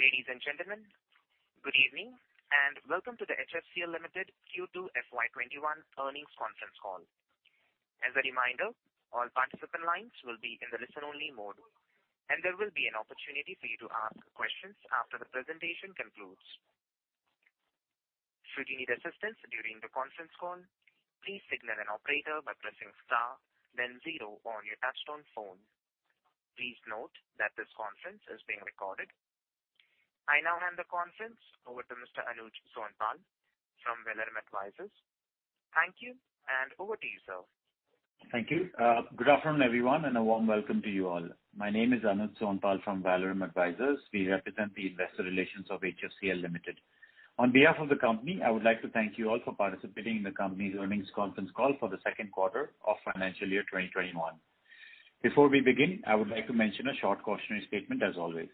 Ladies and gentlemen, good evening, and welcome to the HFCL Limited Q2 FY 2021 Earnings Conference Call. As a reminder, all participant lines will be in the listen-only mode, and there will be an opportunity for you to ask questions after the presentation concludes. Should you need assistance during the conference call? Please signal an operator by pressing star, then zero on your touch-tone phone. Please note that this conference is being recorded. I now hand the conference over to Mr. Anuj Sonpal from Valorem Advisors. Thank you, and over to you, sir. Thank you. Good afternoon, everyone, and a warm welcome to you all. My name is Anuj Sonpal from Valorem Advisors. We represent the investor relations of HFCL Limited. On behalf of the company, I would like to thank you all for participating in the company's earnings conference call for the Q2 of financial year 2021. Before we begin, I would like to mention a short cautionary statement as always.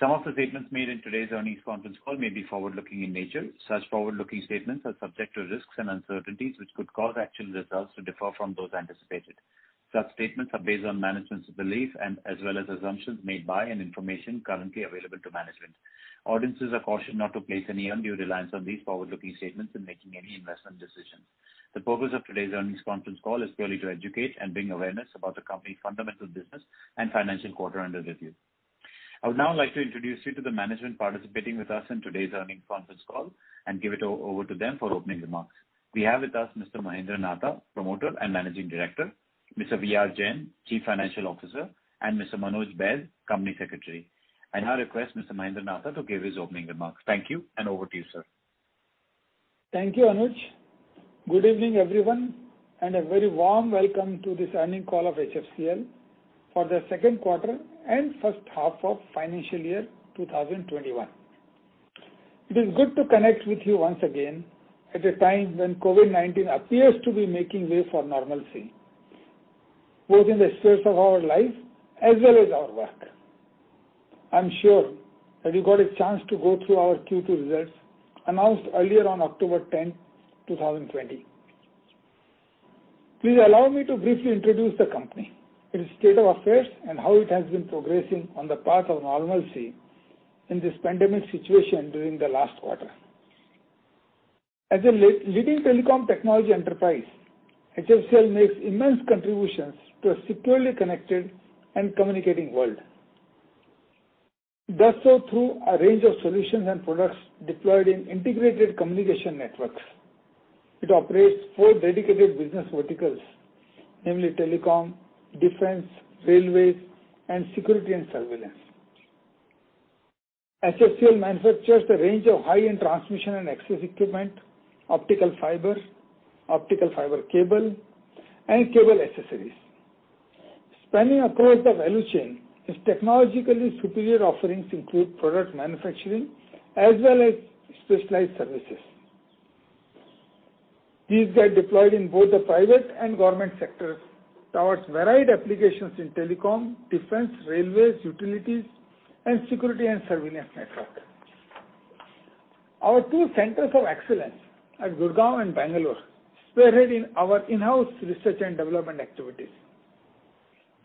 Some of the statements made in today's earnings conference call may be forward-looking in nature. Such forward-looking statements are subject to risks and uncertainties which could cause actual results to differ from those anticipated. Such statements are based on management's belief and as well as assumptions made by and information currently available to management. Audiences are cautioned not to place any undue reliance on these forward-looking statements in making any investment decisions. The purpose of today's earnings conference call is purely to educate and bring awareness about the company's fundamental business and financial quarter under review. I would now like to introduce you to the management participating with us in today's earnings conference call and give it over to them for opening remarks. We have with us Mr. Mahendra Nahata, Promoter and Managing Director, Mr. V.R. Jain, Chief Financial Officer, and Mr. Manoj Baid, Company Secretary. I now request Mr. Mahendra Nahata to give his opening remarks. Thank you, and over to you, sir. Thank you, Anuj. Good evening, everyone, and a very warm welcome to this earnings call of HFCL for the Q2 and H1 of financial year 2021. It is good to connect with you once again at a time when COVID-19 appears to be making way for normalcy, both in the space of our life as well as our work. I'm sure that you got a chance to go through our Q2 results announced earlier on October 10, 2020. Please allow me to briefly introduce the company, its state of affairs, and how it has been progressing on the path of normalcy in this pandemic situation during the last quarter. As a leading telecom technology enterprise, HFCL makes immense contributions to a securely connected and communicating world. It does so through a range of solutions and products deployed in integrated communication networks. It operates four dedicated business verticals, namely telecom, defense, railways, and security and surveillance. HFCL manufactures a range of high-end transmission and access equipment, optical fiber, optical fiber cable, and cable accessories. Spanning across the value chain, its technologically superior offerings include product manufacturing as well as specialized services. These get deployed in both the private and government sectors towards varied applications in telecom, defense, railways, utilities, and security and surveillance networks. Our two centers of excellence at Gurgaon and Bangalore spearhead our in-house research and development activities.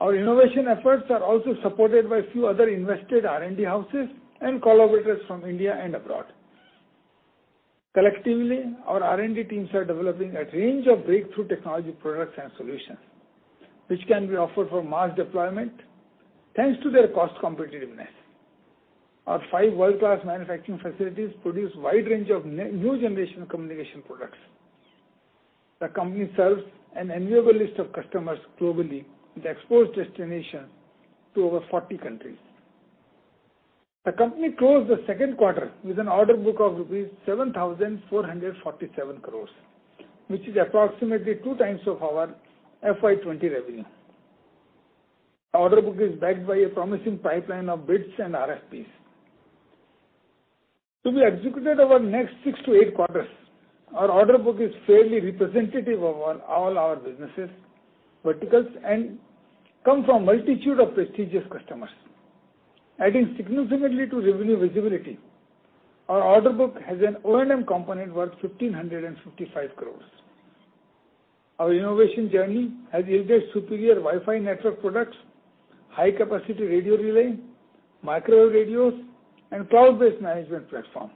Our innovation efforts are also supported by a few other invested R&D houses and collaborators from India and abroad. Collectively, our R&D teams are developing a range of breakthrough technology products and solutions, which can be offered for mass deployment thanks to their cost competitiveness. Our five world-class manufacturing facilities produce a wide range of new generation communication products. The company serves an enviable list of customers globally with export destination to over 40 countries. The company closed the Q2 with an order book of rupees 7,447 crore, which is approximately 2x of our FY 2020 revenue. Our order book is backed by a promising pipeline of bids and RFPs. To be executed over the next six-eight quarters, our order book is fairly representative of all our businesses, verticals, and comes from a multitude of prestigious customers. Adding significantly to revenue visibility, our order book has an O&M component worth 1,555 crore. Our innovation journey has yielded superior Wi-Fi network products, high-capacity radio relay, microwave radios, and cloud-based management platform.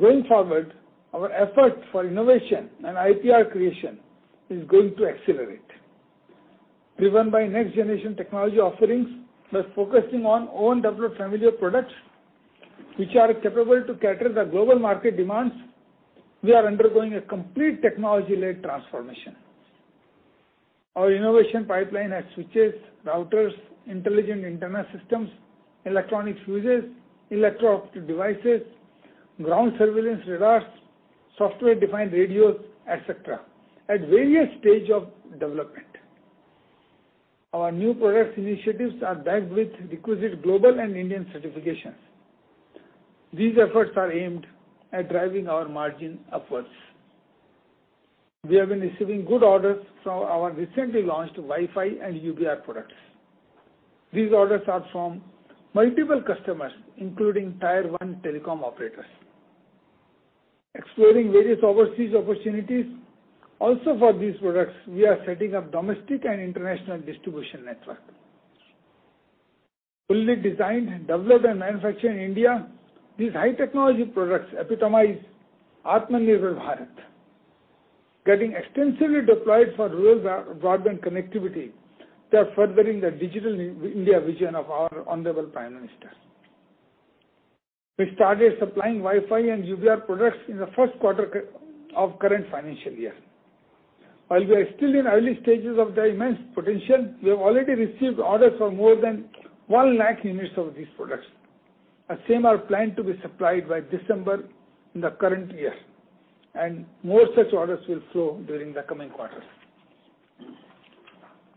Going forward, our effort for innovation and IPR creation is going to accelerate. Driven by next-generation technology offerings, thus focusing on own developed familiar products which are capable to cater the global market demands, we are undergoing a complete technology-led transformation. Our innovation pipeline has switches, routers, intelligent internal systems, electronic fuses, electro-optic devices, ground surveillance radars, software-defined radios, et cetera, at various stages of development. Our new product initiatives are backed with requisite global and Indian certifications. These efforts are aimed at driving our margin upwards. We have been receiving good orders from our recently launched Wi-Fi and UBR products. These orders are from multiple customers, including Tier 1 telecom operators. Exploring various overseas opportunities also for these products, we are setting up domestic and international distribution network. Fully designed and developed and manufactured in India, these high technology products epitomize Atmanirbhar Bharat. Getting extensively deployed for rural broadband connectivity, they are furthering the Digital India vision of our honorable Prime Minister. We started supplying Wi-Fi and UBR products in the Q1 of current financial year. While we are still in early stages of their immense potential, we have already received orders for more than 1 lakh units of these products. The same are planned to be supplied by December in the current year, more such orders will flow during the coming quarters.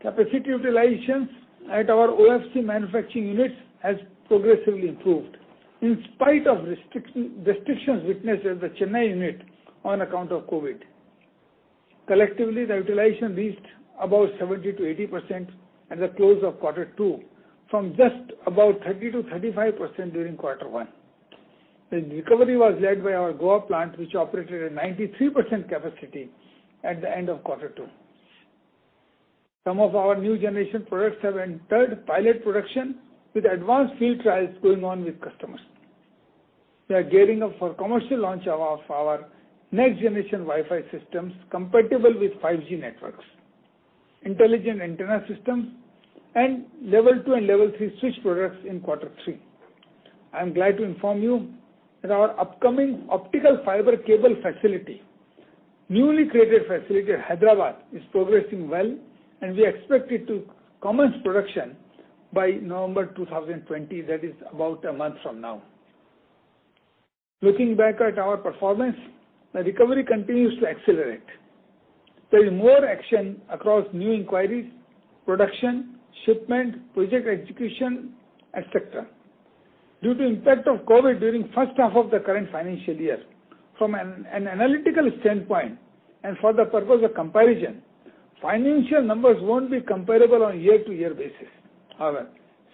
Capacity utilizations at our OFC manufacturing units has progressively improved in spite of restrictions witnessed at the Chennai unit on account of COVID. Collectively, the utilization reached above 70%-80% at the close of Q2 from just above 30%-35% during Q1. The recovery was led by our Goa plant, which operated at 93% capacity at the end of Q2. Some of our new generation products have entered pilot production with advanced field trials going on with customers. We are gearing up for commercial launch of our next generation Wi-Fi systems compatible with 5G networks, intelligent antenna systems, and level 2 and level 3 switch products in Q3. I'm glad to inform you that our upcoming optical fiber cable facility, newly created facility at Hyderabad, is progressing well, and we expect it to commence production by November 2020, that is about a month from now. Looking back at our performance, the recovery continues to accelerate. There is more action across new inquiries, production, shipment, project execution, et cetera. Due to impact of COVID during H1 of the current financial year, from an analytical standpoint and for the purpose of comparison, financial numbers won't be comparable on year-to-year basis.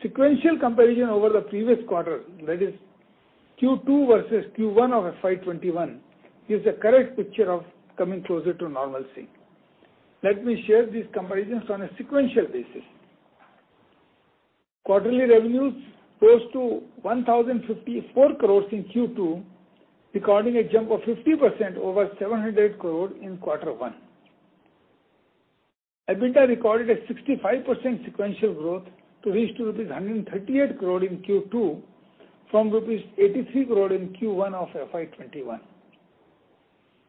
Sequential comparison over the previous quarter, that is Q2 versus Q1 of FY 2021, gives a correct picture of coming closer to normalcy. Let me share these comparisons on a sequential basis. Quarterly revenues rose to 1,054 crore in Q2, recording a jump of 50% over 700 crore in Q1. EBITDA recorded a 65% sequential growth to reach rupees 138 crore in Q2 from rupees 83 crore in Q1 of FY 2021.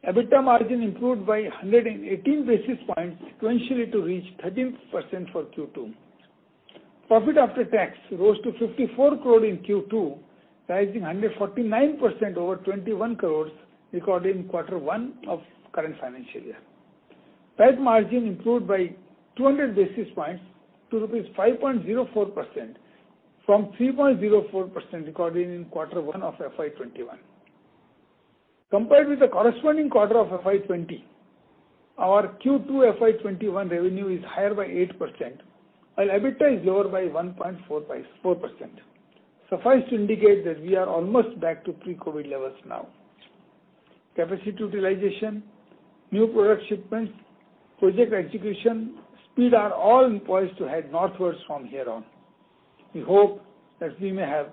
EBITDA margin improved by 118 basis points sequentially to reach 13% for Q2. Profit after tax rose to 54 crore in Q2, rising 149% over 21 crore recorded in Q1 of current financial year. PAT margin improved by 200 basis points to 5.04% from 3.04% recorded in Q1 of FY 2021. Compared with the corresponding quarter of FY 2020, our Q2 FY 2021 revenue is higher by 8%, while EBITDA is lower by 1.4%. Suffice to indicate that we are almost back to pre-COVID levels now. Capacity utilization, new product shipments, project execution speed are all poised to head northwards from here on. We hope that we may have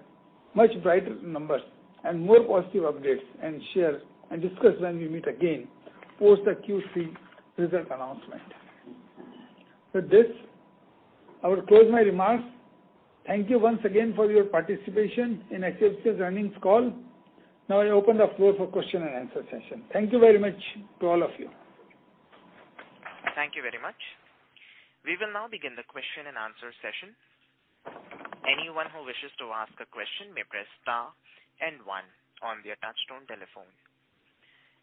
much brighter numbers and more positive updates and share and discuss when we meet again post the Q3 result announcement. With this, I will close my remarks. Thank you once again for your participation in HFCL's earnings call. Now I open the floor for question-and-answer session. Thank you very much to all of you. Thank you very much. We will now begin the question-and-answer session. Anyone who wishes to ask a question may press star and one on their touchtone telephone.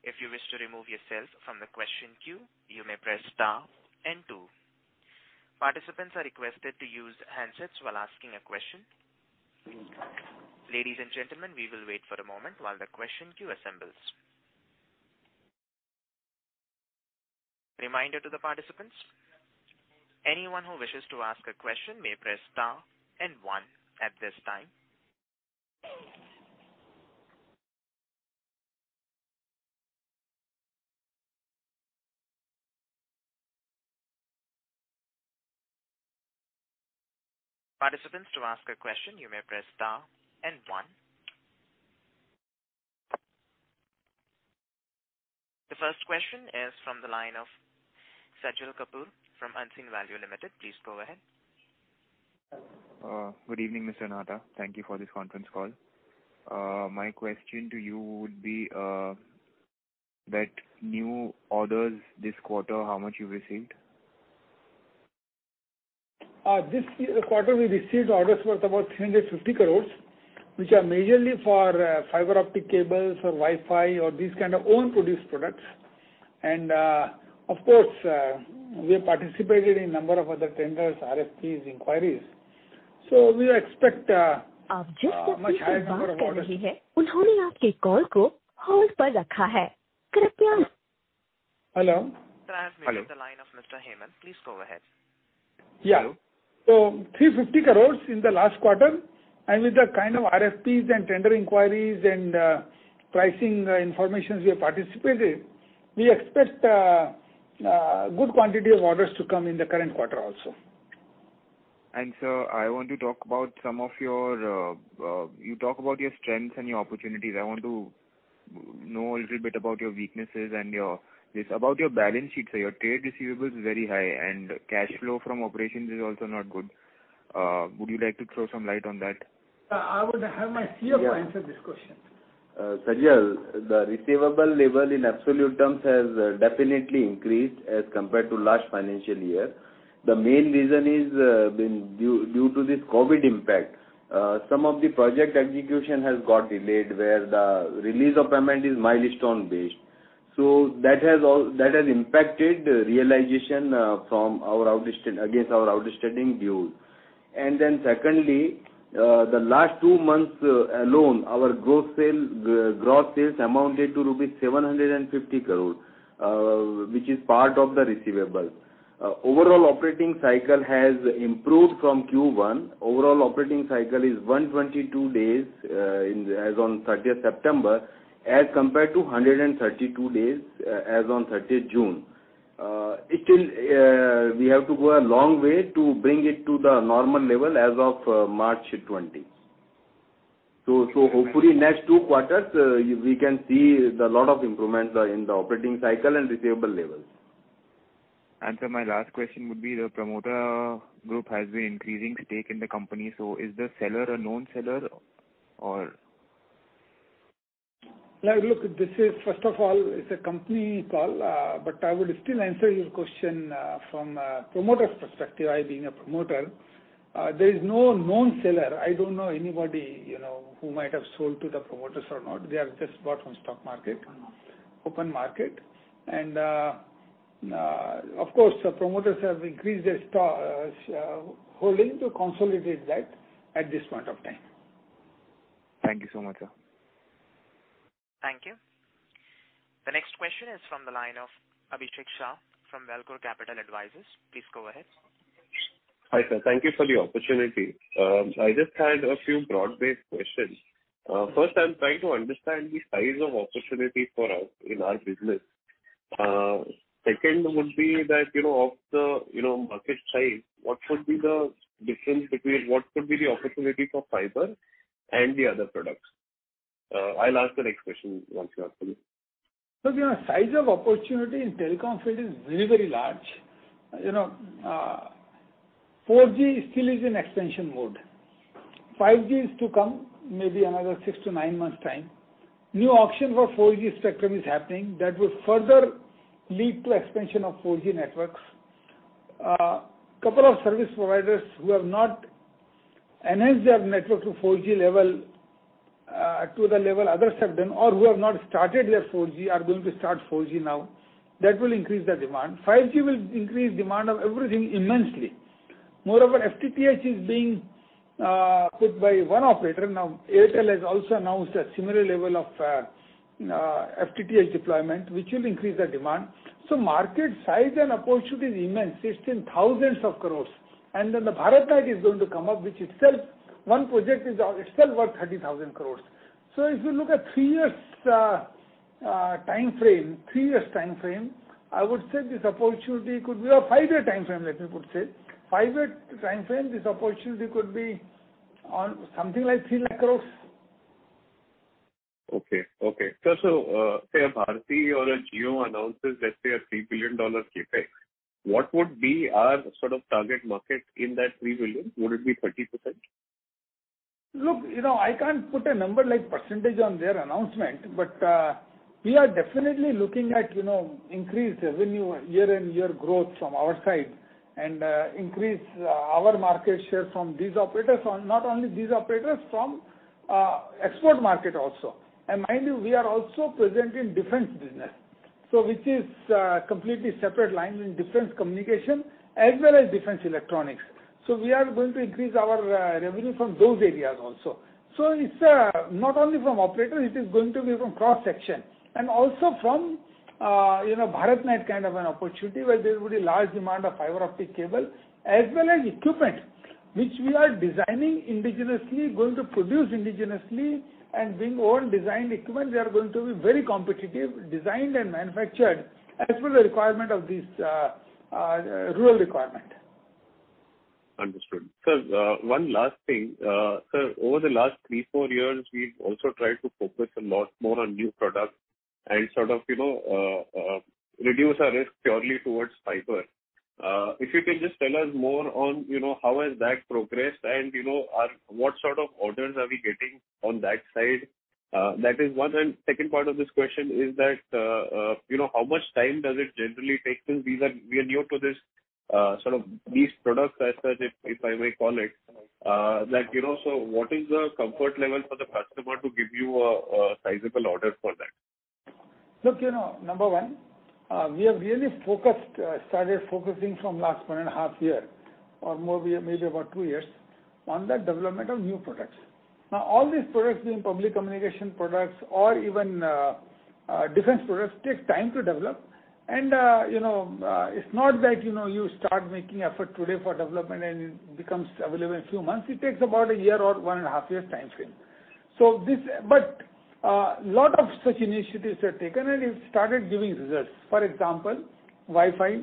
If you wish to remove yourself from the question queue, you may press star and two. Participants are requested to use handsets while asking a question. Ladies and gentlemen, we will wait for a moment while the question queue assembles. Reminder to the participants. Anyone who wishes to ask a question may press star and one at this time. Participants to ask a question you may press star and one. The first question is from the line of Sajal Kapoor from Unseen Value Limited. Please go ahead. Good evening, Mr. Nahata. Thank you for this conference call. My question to you would be, that new orders this quarter, how much you've received? This quarter, we received orders worth about 350 crores, which are majorly for fiber optic cables or Wi-Fi or these kind of own produced products. Of course, we have participated in number of other tenders, RFPs, inquiries. Sir, I have muted the line of Mr. Hemant. Please go ahead. Yeah. 350 crores in the last quarter, and with the kind of RFPs and tender inquiries and pricing informations we have participated, we expect good quantity of orders to come in the current quarter also. Sir, I want to talk about You talk about your strengths and your opportunities. I want to know a little bit about your weaknesses and about your balance sheet. Your trade receivables is very high and cash flow from operations is also not good. Would you like to throw some light on that? I would have my CFO answer this question. Sajal, the receivable level in absolute terms has definitely increased as compared to last financial year. The main reason is due to this COVID impact, some of the project execution has got delayed where the release of payment is milestone-based. That has impacted realization against our outstanding dues. Secondly, the last two months alone, our gross sales amounted to 750 crore rupees, which is part of the receivable. Overall operating cycle has improved from Q1. Overall operating cycle is 122 days as on September 30th, as compared to 132 days as on June 30th. We have to go a long way to bring it to the normal level as of March 2020. Hopefully next two quarters, we can see the lot of improvements in the operating cycle and receivable levels. Sir, my last question would be, the promoter group has been increasing stake in the company. Is the seller a known seller or? Look, this is first of all, it's a company call. I would still answer your question from a promoter's perspective, I being a promoter. There is no known seller. I don't know anybody who might have sold to the promoters or not. They have just bought from stock market, open market. Of course, the promoters have increased their holding to consolidate that at this point of time. Thank you so much, sir. Thank you. The next question is from the line of Abhishek Shah from Valcore Capital. Please go ahead. Hi, sir. Thank you for the opportunity. I just had a few broad-based questions. First, I am trying to understand the size of opportunity for us in our business. Second would be that of the market size, what could be the difference between what could be the opportunity for fiber and the other products? I will ask the next question once you answer this. Look, size of opportunity in telecom field is very large. 4G still is in expansion mode. 5G is to come maybe another six to nine months' time. New auction for 4G spectrum is happening. That would further lead to expansion of 4G networks. A couple of service providers who have not enhanced their network to 4G level, to the level others have done, or who have not started their 4G are going to start 4G now. That will increase the demand. 5G will increase demand of everything immensely. Moreover, FTTH is being put by one operator. Now Airtel has also announced a similar level of FTTH deployment, which will increase the demand. Market size and opportunity is immense, 16,000 crores. The BharatNet is going to come up, which itself, one project is itself worth 30,000 crores. If you look at three years timeframe, I would say this opportunity could be a five-year timeframe, let me put it. Five-year timeframe, this opportunity could be on something like 300 crore. Okay. Sir, say Bharti or Jio announces, let's say a INR 3 billion CapEx, what would be our sort of target market in that 3 billion? Would it be 30%? Look, I can't put a number like percentage on their announcement, but we are definitely looking at increased revenue year-over-year growth from our side and increase our market share from these operators, not only these operators, from export market also. Mind you, we are also present in defense business. Which is completely separate line in defense communication as well as defense electronics. We are going to increase our revenue from those areas also. It's not only from operator, it is going to be from cross section and also from BharatNet kind of an opportunity where there will be large demand of fiber optic cable as well as equipment, which we are designing indigenously, going to produce indigenously and being own designed equipment, we are going to be very competitive, designed and manufactured as per the rural requirement. Understood. Sir, one last thing. Sir, over the last three, four years, we've also tried to focus a lot more on new products and sort of reduce our risk purely towards fibre. If you can just tell us more on how has that progressed and what sort of orders are we getting on that side? That is one and second part of this question is that how much time does it generally take since we are new to this sort of these products as such, if I may call it. What is the comfort level for the customer to give you a sizable order for that? Look, number one, we have really started focusing from last one and a half year or maybe about two years. On the development of new products. All these products, being public communication products or even defense products, take time to develop. It's not that you start making effort today for development and it becomes available in a few months. It takes about a year or one and a half years timeframe. A lot of such initiatives were taken, and it started giving results. For example, Wi-Fi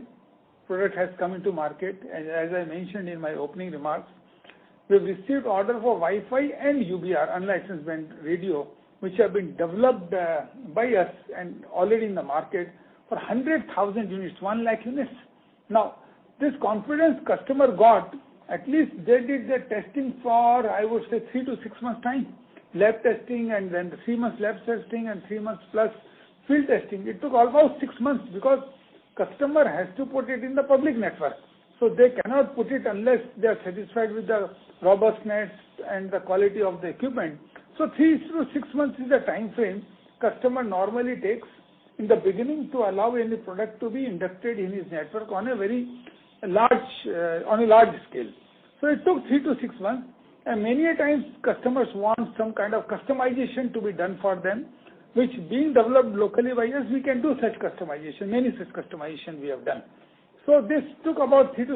product has come into market. As I mentioned in my opening remarks, we have received orders for Wi-Fi and UBR, unlicensed band radio, which have been developed by us and already in the market, for 100,000 units, one lakh units. This confidence customer got, at least they did the testing for, I would say, three to six months time. Lab testing, three months lab testing and three months plus field testing. It took almost six months because the customer has to put it in the public network. They cannot put it unless they are satisfied with the robustness and the quality of the equipment. Three to six months is the timeframe customer normally takes in the beginning to allow any product to be inducted in his network on a very large scale. It took three-six months. Many a times, customers want some kind of customization to be done for them, which being developed locally by us, we can do such customization. Many such customization we have done. This took about six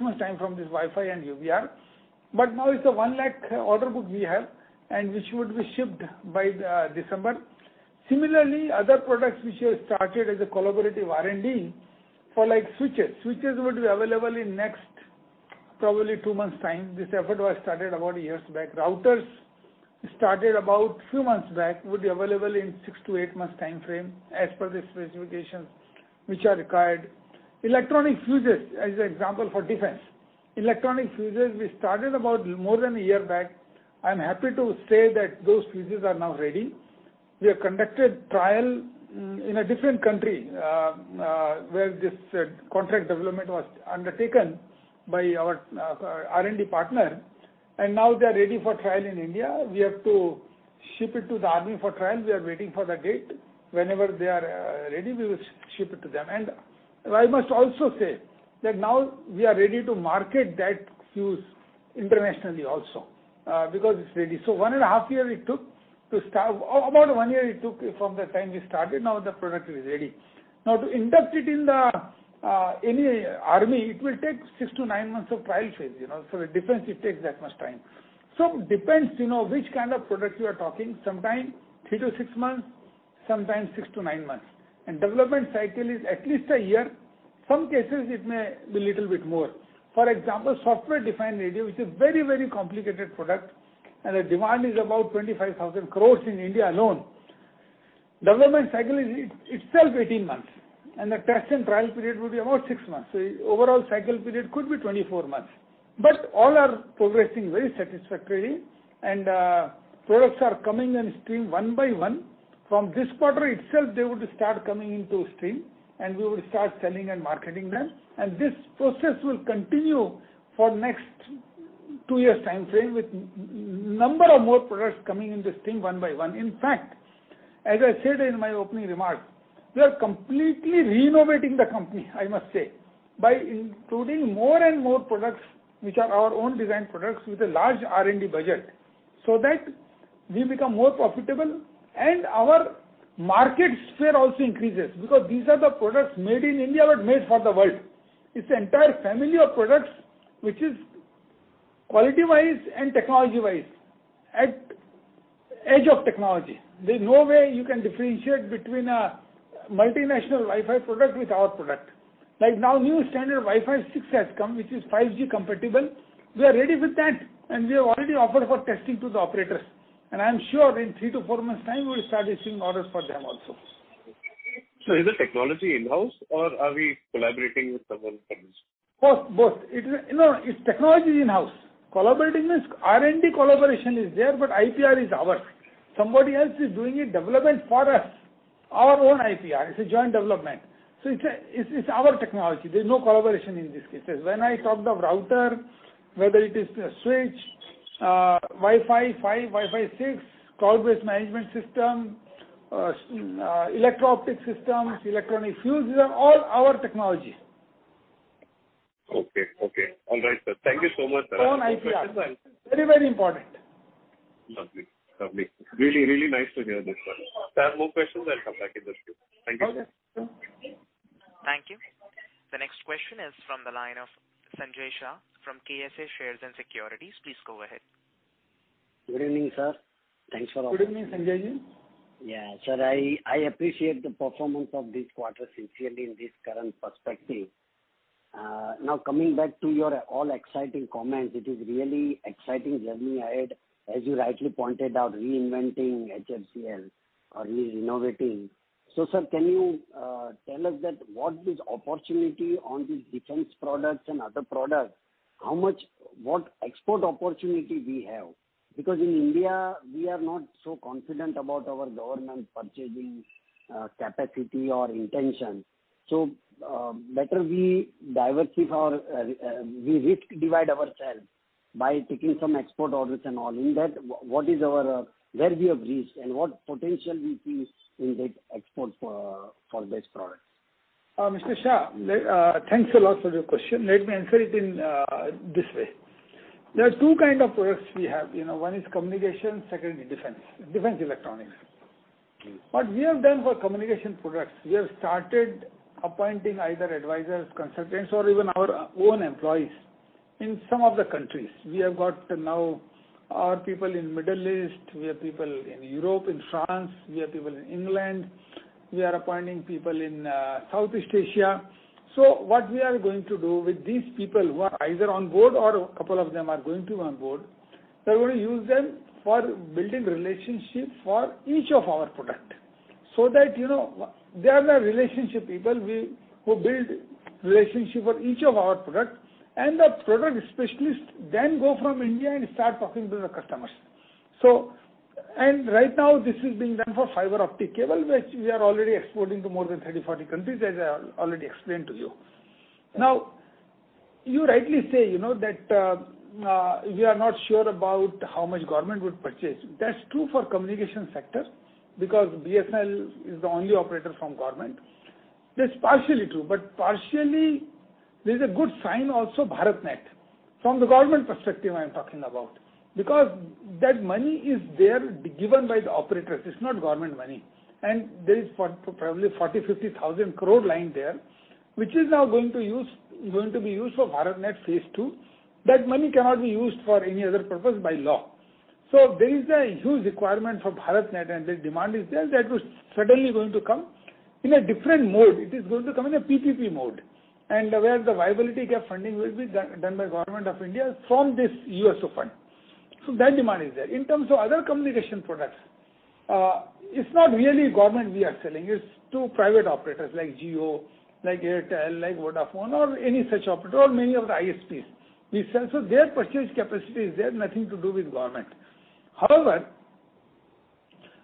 months time from this Wi-Fi and UBR. Now it's a one lakh order book we have, and which would be shipped by December. Similarly, other products which we have started as a collaborative R&D, for switches. Switches would be available in next, probably two months' time. This effort was started about years back. Routers started about few months back, would be available in six-eight months' timeframe as per the specifications which are required. Electronic fuses, as an example for defense. Electronic fuses, we started about more than a year back. I'm happy to say that those fuses are now ready. We have conducted trial in a different country, where this contract development was undertaken by our R&D partner, and now they are ready for trial in India. We have to ship it to the Army for trial. We are waiting for the date. Whenever they are ready, we will ship it to them. I must also say that now we are ready to market that fuse internationally also because it's ready. About one year it took from the time we started, now the product is ready. To induct it in any army, it will take six-nine months of trial phase. For defense, it takes that much time. Sometimes three-six months, sometimes six-nine months. Development cycle is at least a year. Some cases it may be little bit more. For example, Software-Defined Radio, which is very complicated product, and the demand is about 25,000 crore in India alone. Development cycle is itself 18 months, and the test and trial period would be about six months. The overall cycle period could be 24 months. All are progressing very satisfactorily, and products are coming in stream one by one. From this quarter itself, they would start coming into stream, and we would start selling and marketing them. This process will continue for next two years' timeframe, with number of more products coming in the stream one-by-one. In fact, as I said in my opening remarks, we are completely renovating the company, I must say, by including more and more products which are our own design products with a large R&D budget, so that we become more profitable and our market sphere also increases. These are the products made in India, but made for the world. It's the entire family of products, which is quality-wise and technology-wise, at edge of technology. There's no way you can differentiate between a multinational Wi-Fi product with our product. Like now, new standard Wi-Fi 6 has come, which is 5G compatible. We are ready with that, and we have already offered for testing to the operators. I'm sure in three-four months' time, we'll start issuing orders for them also. Is the technology in-house or are we collaborating with someone for this? Both. No, its technology is in-house. Collaborating means R&D collaboration is there, but IPR is ours. Somebody else is doing a development for us. Our own IPR. It's a joint development. It's our technology. There's no collaboration in these cases. When I talk the router, whether it is the switch, Wi-Fi 5, Wi-Fi 6, cloud-based management system, electro-optic systems, electronic fuses, these are all our technologies. Okay. All right, sir. Thank you so much, sir. Own IPR. Very important. Lovely. Really nice to hear this, sir. If I have more questions, I'll come back in the queue. Thank you. Okay, sure. Thank you. The next question is from the line of Sanjay Shah from KSA Shares and Securities. Please go ahead. Good evening, sir. Thanks. Good evening, Sanjay. Yeah. Sir, I appreciate the performance of this quarter sincerely in this current perspective. Now, coming back to your all exciting comments, it is really exciting journey ahead, as you rightly pointed out, reinventing HFCL or renovating. Sir, can you tell us that what is opportunity on these defense products and other products? What export opportunity we have? In India, we are not so confident about our government purchasing capacity or intention. Better we risk divide ourselves by taking some export orders and all. In that, where we have reached and what potential we see in the export for this product? Mr. Shah, thanks a lot for your question. Let me answer it in this way. There are two kinds of products we have. One is communication, second is defense electronics. What we have done for communication products, we have started appointing either advisors, consultants, or even our own employees in some of the countries. We have got now our people in Middle East, we have people in Europe, in France, we have people in England. We are appointing people in Southeast Asia. What we are going to do with these people who are either on board or a couple of them are going to be on board, we are going to use them for building relationships for each of our products. So that, they are the relationship people who build relationships for each of our products, and the product specialists then go from India and start talking to the customers. Right now, this is being done for fiber optic cable, which we are already exporting to more than 30, 40 countries, as I already explained to you. Now, you rightly say that we are not sure about how much government would purchase. That's true for communication sector, because BSNL is the only operator from government. That's partially true, partially there's a good sign also, BharatNet. From the government perspective, I am talking about. Because that money is there, given by the operators. It's not government money. There is probably 40,000 crore-50,000 crore lying there, which is now going to be used for BharatNet phase II. That money cannot be used for any other purpose by law. There is a huge requirement for BharatNet, and the demand is there that was suddenly going to come in a different mode. It is going to come in a PPP mode. Where the viability gap funding will be done by Government of India from this USOF. That demand is there. In terms of other communication products, it's not really government we are selling. It's to private operators like Jio, like Airtel, like Vodafone, or any such operator, or many of the ISPs. Their purchase capacity is there, nothing to do with government. However,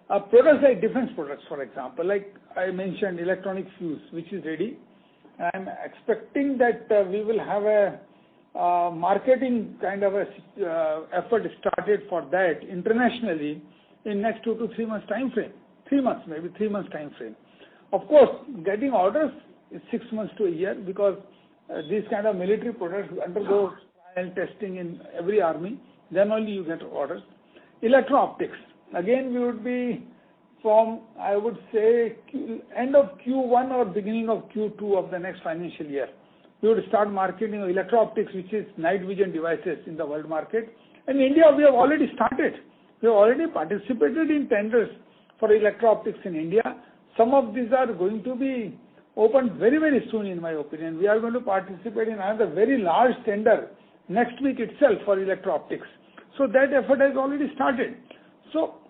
products like defense products, for example, like I mentioned, electronic fuse, which is ready. I'm expecting that we will have a marketing kind of effort started for that internationally in next two-three months timeframe. Three months, maybe three months timeframe. Of course, getting orders is six months to one year because this kind of military product undergoes trial and testing in every army. Only you get orders. Electro-optics. Again, we would be from, I would say, end of Q1 or beginning of Q2 of the next financial year. We would start marketing electro-optics, which is night vision devices in the world market. In India, we have already started. We have already participated in tenders for electro-optics in India. Some of these are going to be opened very soon, in my opinion. We are going to participate in another very large tender next week itself for electro-optics. That effort has already started.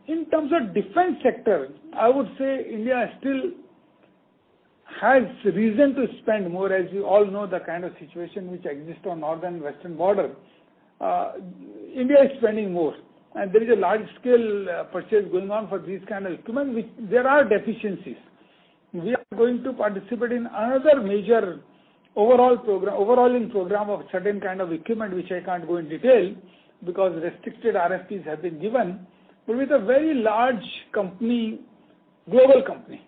In terms of defense sector, I would say India still has reason to spend more. As you all know, the kind of situation which exists on northern western border. India is spending more. There is a large-scale purchase going on for this kind of equipment, which there are deficiencies. We are going to participate in another major overall program of certain kind of equipment, which I can't go in detail, because restricted RFPs have been given, but with a very large global company.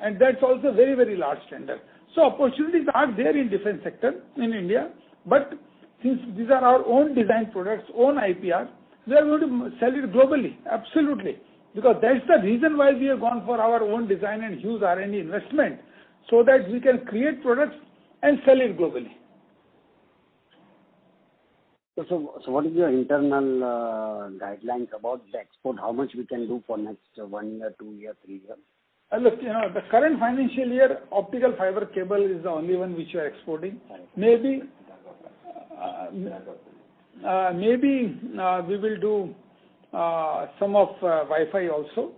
That's also a very large tender. Opportunities are there in defense sector in India, but since these are our own design products, own IPR, we are going to sell it globally, absolutely. That's the reason why we have gone for our own design and huge R&D investment, so that we can create products and sell it globally. What is your internal guidelines about the export? How much we can do for next one year, two year, three year? Look, the current financial year, optical fiber cable is the only one which we are exporting. Thanks. Maybe we will do some of Wi-Fi also.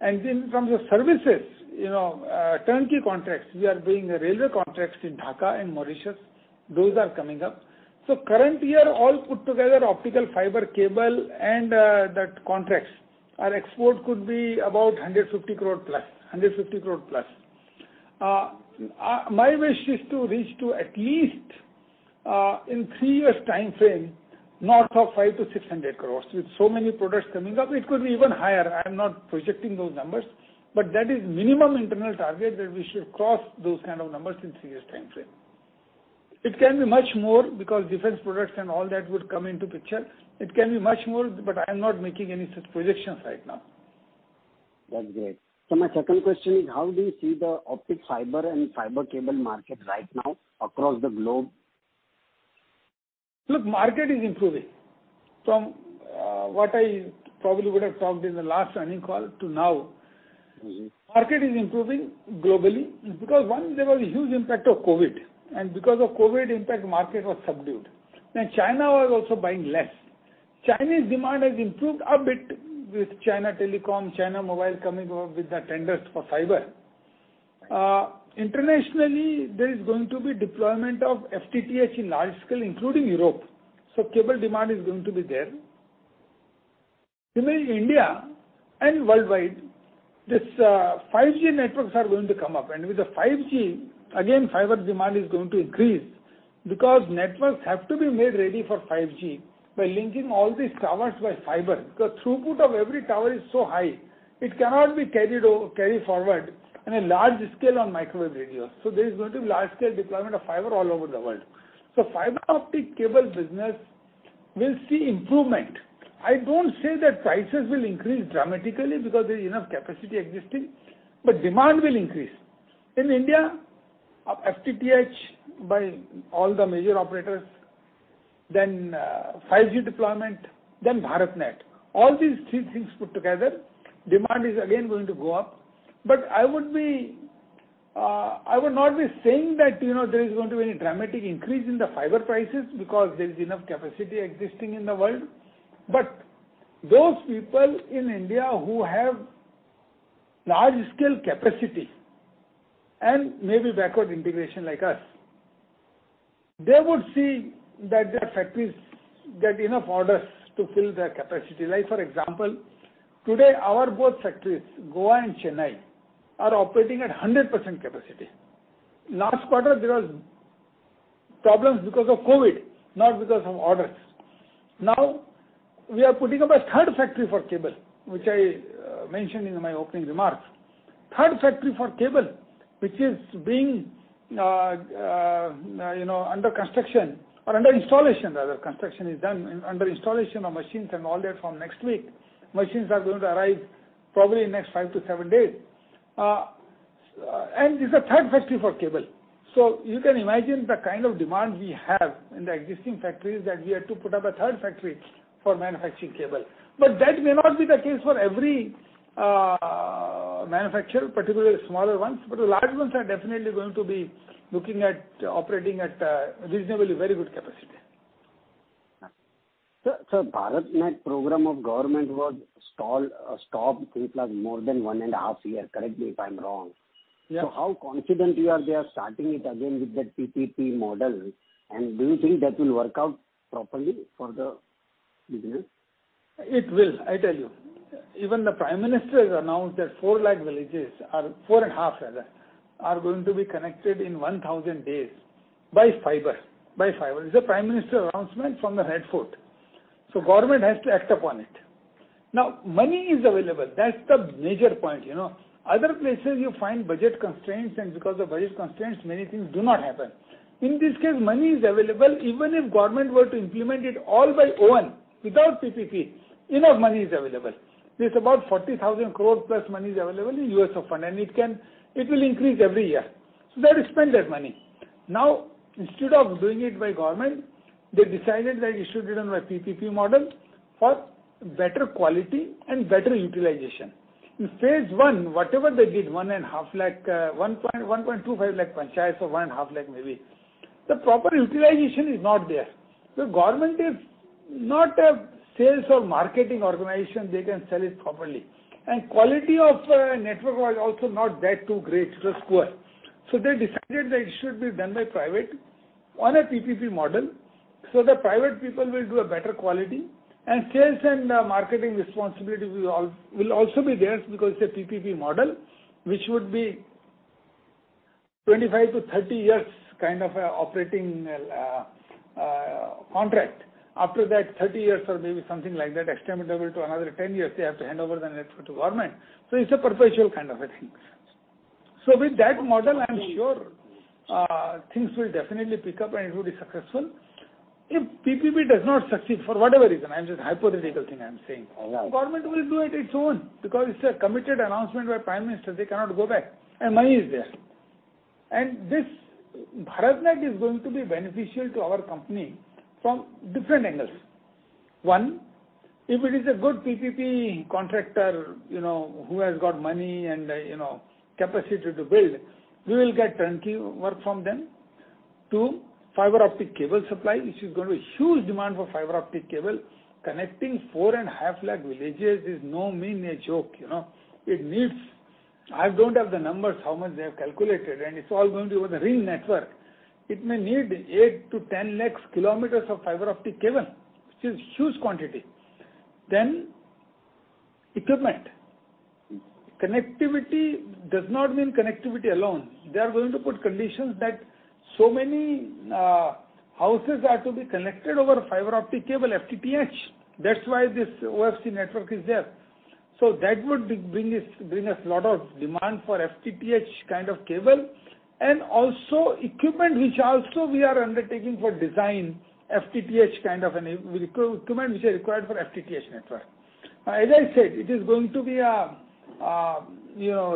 Then from the services, turnkey contracts. We are doing railway contracts in Dhaka and Mauritius. Those are coming up. Current year, all put together, optical fiber cable and that contracts. Our export could be about 150 crore+. My wish is to reach to at least, in three years timeframe, north of 500-600 crore. With so many products coming up, it could be even higher. I'm not projecting those numbers, but that is minimum internal target that we should cross those kind of numbers in three years timeframe. It can be much more because defense products and all that would come into picture. It can be much more, but I'm not making any such projections right now. That's great. My second question is, how do you see the optic fiber and fiber cable market right now across the globe? Look, market is improving, from what I probably would have talked in the last earning call to now. Market is improving globally because, one, there was a huge impact of COVID, and because of COVID impact, market was subdued. China was also buying less. Chinese demand has improved a bit with China Telecom, China Mobile coming out with the tenders for fiber. Internationally, there is going to be deployment of FTTH in large scale, including Europe. Cable demand is going to be there. In India and worldwide, these 5G networks are going to come up, and with the 5G, again, fiber demand is going to increase because networks have to be made ready for 5G by linking all these towers by fiber. The throughput of every tower is so high, it cannot be carried forward in a large scale on microwave radios. There is going to be large scale deployment of fiber all over the world. Fiber optic cable business will see improvement. I don't say that prices will increase dramatically because there is enough capacity existing, but demand will increase. In India, FTTH by all the major operators, then 5G deployment, then BharatNet. All these three things put together, demand is again going to go up. I would not be saying that there is going to be any dramatic increase in the fiber prices, because there is enough capacity existing in the world. Those people in India who have large scale capacity and maybe backward integration like us, they would see that their factories get enough orders to fill their capacity. Like for example, today, our both factories, Goa and Chennai, are operating at 100% capacity. Last quarter, there was problems because of COVID, not because of orders. Now, we are putting up a third factory for cable, which I mentioned in my opening remarks. Third factory for cable, which is being under construction or under installation rather, construction is done. Under installation of machines and all that from next week. Machines are going to arrive probably in next five-seven days. It's a third factory for cable. You can imagine the kind of demand we have in the existing factories that we had to put up a third factory for manufacturing cable. That may not be the case for every manufacturer, particularly smaller ones. The large ones are definitely going to be looking at operating at reasonably very good capacity. Sir, BharatNet program of government was stopped, I think it was more than one and a half years. Correct me if I'm wrong? Yeah. How confident you are they are starting it again with that PPP model? Do you think that will work out properly for the business? It will. I tell you. Even the Prime Minister has announced that 4.5 lakh villages are going to be connected in 1,000 days by fiber. It's a Prime Minister announcement from the Red Fort. Government has to act upon it. Money is available. That's the major point. Other places you find budget constraints. Because of budget constraints, many things do not happen. In this case, money is available. Even if Government were to implement it all by own, without PPP, enough money is available. There's about 40,000 crore plus money is available in USOF. It will increase every year. They will spend that money. Instead of doing it by Government, they decided that it should be done by PPP model for better quality and better utilization. In phase I, whatever they did, 1.25 lakh panchayats or 1.5 lakh maybe, the proper utilization is not there. The government is not a sales or marketing organization, they can sell it properly. Quality of network was also not that too great, it was poor. They decided that it should be done by private on a PPP model, so that private people will do a better quality. Sales and marketing responsibility will also be theirs because it's a PPP model, which would be 25-30 years operating contract. After that 30 years or maybe something like that extendable to another 10 years, they have to hand over the network to government. It's a perpetual kind of a thing. With that model, I'm sure things will definitely pick up and it will be successful. If PPP does not succeed, for whatever reason, I'm just hypothetical thing I'm saying. Yeah Government will do it its own, because it's a committed announcement by Prime Minister, they cannot go back, and money is there. This BharatNet is going to be beneficial to our company from different angles. One, if it is a good PPP contractor who has got money and capacity to build, we will get turnkey work from them. Two, fiber optic cable supply, which is going to be huge demand for fiber optic cable. Connecting 4.5 lakh villages is by no means a joke. I don't have the numbers, how much they have calculated, and it's all going to be over the ring network. It may need 8-10 lakh km of fiber optic cable, which is huge quantity. Equipment. Connectivity does not mean connectivity alone. They are going to put conditions that so many houses are to be connected over fiber optic cable, FTTH. That's why this OFC network is there. That would bring us lot of demand for FTTH kind of cable, and also equipment which also we are undertaking for design, equipment which are required for FTTH network. As I said, it is going to be a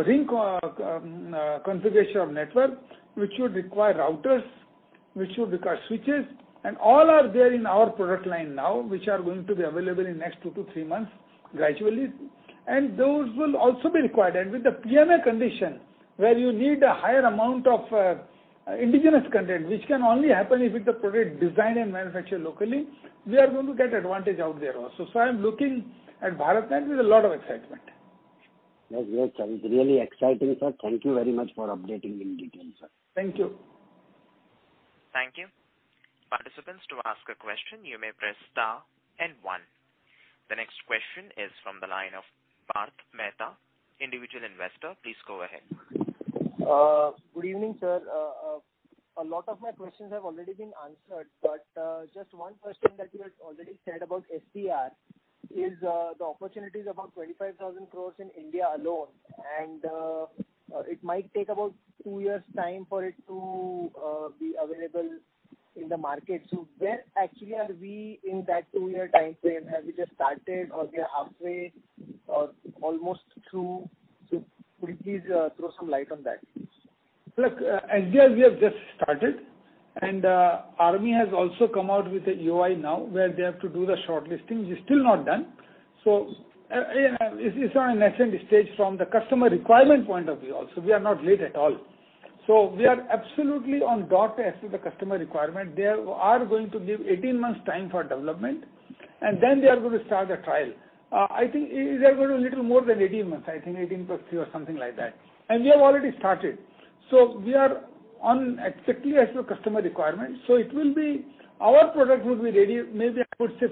ring configuration of network, which would require routers, which would require switches, and all are there in our product line now, which are going to be available in next two-three months gradually. Those will also be required. With the PMA condition, where you need a higher amount of indigenous content, which can only happen if it's a product designed and manufactured locally, we are going to get advantage out there also. I am looking at BharatNet with a lot of excitement. Yes, it sounds really exciting, sir. Thank you very much for updating in detail, sir. Thank you. Thank you. Participants to ask a question, you may press star and one. The next question is from the line of Parth Mehta, Individual Investor. Please go ahead. Good evening, sir. A lot of my questions have already been answered. Just one question that you had already said about SDR is the opportunities about 25,000 crore in India alone, and it might take about two years time for it to be available in the market. Where actually are we in that two-year timeframe? Have you just started or we are halfway or almost through? Could you please throw some light on that? Look, SDR, we have just started, and Army has also come out with a EOI now where they have to do the shortlisting. It's still not done. It's on an nascent stage from the customer requirement point of view also. We are not late at all. We are absolutely on dot as to the customer requirement. They are going to give 18 months time for development, and then they are going to start the trial. I think it is going to be little more than 18 months, I think 18+3 or something like that. We have already started. We are on exactly as to customer requirement. Our product would be ready, maybe, I would say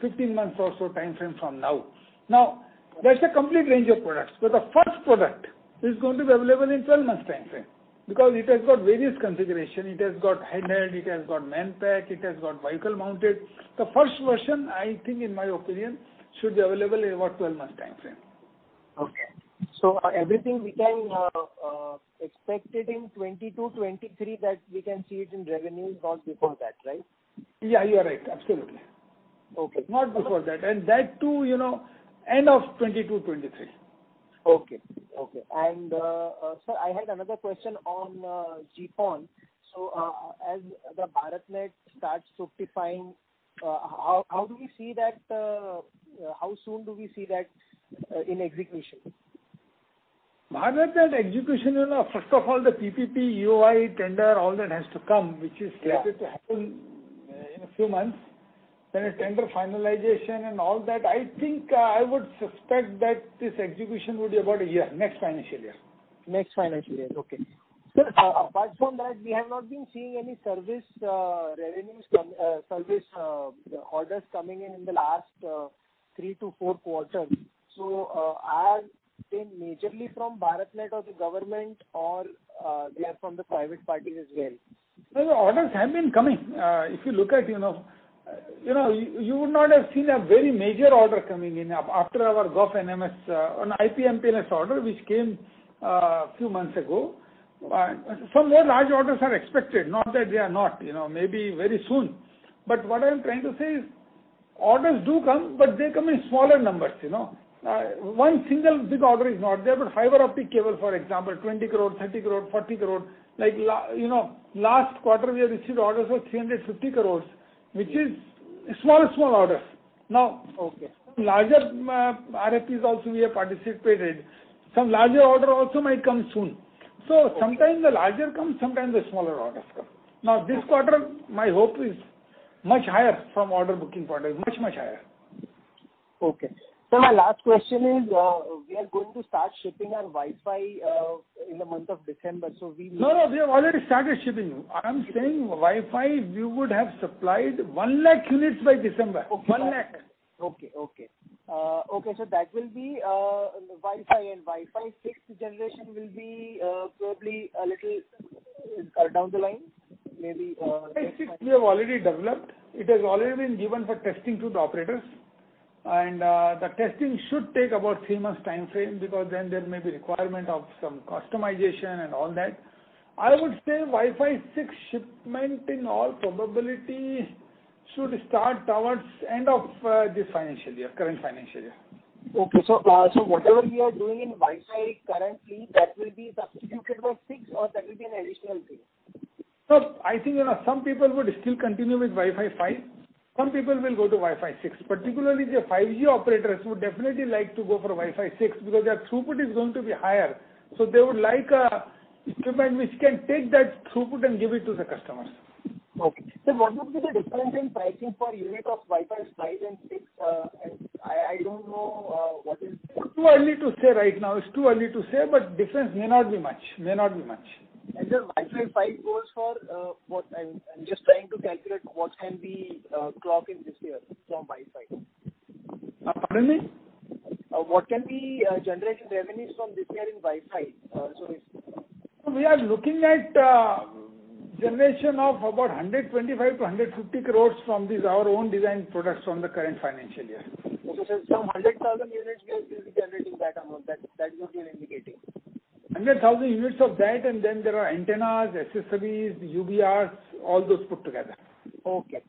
15 months or so timeframe from now. There's a complete range of products, but the first product is going to be available in 12 months timeframe because it has got various configuration. It has got handheld, it has got manpack, it has got vehicle mounted. The first version, I think, in my opinion, should be available in about 12 months timeframe. Okay. Everything we can expect it in 2022, 2023, that we can see it in revenues, not before that, right? Yeah, you're right. Absolutely. Okay. Not before that. That too end of 2022, 2023. Okay. Sir, I had another question on GPON. As the BharatNet starts simplifying, how soon do we see that in execution? BharatNet execution, first of all, the PPP, EOI, tender, all that has to come. Yeah slated to happen in a few months. A tender finalization and all that. I think I would suspect that this execution would be about a year. Next financial year. Next financial year. Okay. Sir, apart from that, we have not been seeing any service orders coming in the last three-four quarters. Are they majorly from BharatNet or the government, or they are from the private parties as well? No, orders have been coming. If you look at, you would not have seen a very major order coming in after our Gov NMS on IP MPLS order, which came a few months ago. Some more large orders are expected, not that they are not, maybe very soon. What I'm trying to say is, orders do come, but they come in smaller numbers. One single big order is not there, but fiber optic cable, for example, 20 crore, 30 crore, 40 crore. Last quarter we have received orders of 350 crore, which is smaller orders. Okay larger RFPs also we have participated. Some larger order also might come soon. Sometimes the larger comes, sometimes the smaller orders come. Now this quarter, my hope is much higher from order booking point. It's much higher. Okay. Sir, my last question is, we are going to start shipping our Wi-Fi in the month of December. No, we have already started shipping. I'm saying Wi-Fi, we would have supplied 1 lakh units by December. Okay. 1 lakh. Okay. That will be Wi-Fi, and Wi-Fi 6 will be probably a little down the line. Wi-Fi 6 we have already developed. It has already been given for testing to the operators, and the testing should take about three months timeframe because then there may be requirement of some customization and all that. I would say Wi-Fi 6 shipment in all probability should start towards end of this current financial year. Okay. whatever we are doing in Wi-Fi currently, that will be substituted by six or that will be an additional thing? I think some people would still continue with Wi-Fi 5, some people will go to Wi-Fi 6. Particularly the 5G operators would definitely like to go for Wi-Fi 6 because their throughput is going to be higher. They would like a equipment which can take that throughput and give it to the customers. Okay. Sir, what would be the difference in pricing per unit of Wi-Fi 5 and 6? I don't know. Too early to say right now. It's too early to say, but difference may not be much. Sir, Wi-Fi 5 goes for, I'm just trying to calculate what can we clock in this year from Wi-Fi. Pardon me? What can we generate in revenues from this year in Wi-Fi? Sorry. We are looking at generation of about 125 crores-150 crores from this, our own design products from the current financial year. Okay, sir. From 100,000 units, we will be generating that amount. That is what you are indicating. 100,000 units of that, and then there are antennas, accessories, UBRs, all those put together. Okay.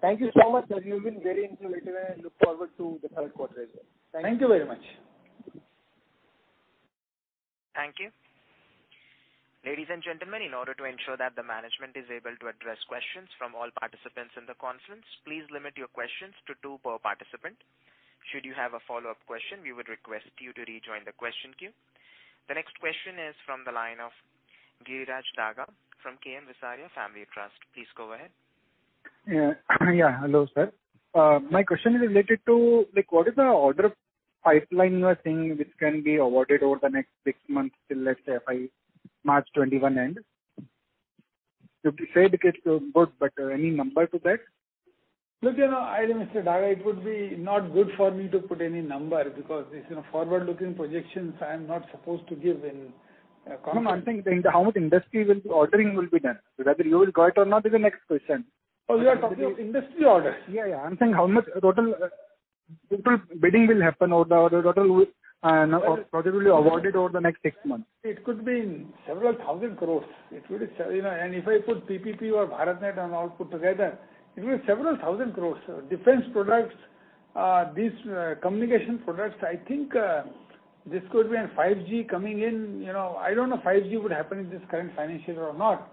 Thank you so much, sir. You've been very informative and I look forward to the Q3 as well. Thank you. Thank you very much. Thank you. Ladies and gentlemen, in order to ensure that the management is able to address questions from all participants in the conference, please limit your questions to two per participant. Should you have a follow-up question, we would request you to rejoin the question queue. The next question is from the line of Giriraj Daga from KM Visaria Family Trust. Please go ahead. Yeah. Hello, sir. My question is related to, what is the order of pipeline you are seeing which can be awarded over the next six months till, let's say, March 2021 end? You said it's good, any number to that? Look, Mr. Daga, it would be not good for me to put any number because these are forward-looking projections I am not supposed to give in a conference. No, I'm saying how much industry ordering will be done. Whether you will get or not is the next question. Oh, you are talking of industry orders. Yeah. I'm saying how much total bidding will happen or the total project will be awarded over the next six months? It could be several thousand crores. If I put PPP or BharatNet and all put together, it will be several thousand crores. Defense products, these communication products, I think this could be, and 5G coming in. I don't know if 5G would happen in this current financial year or not.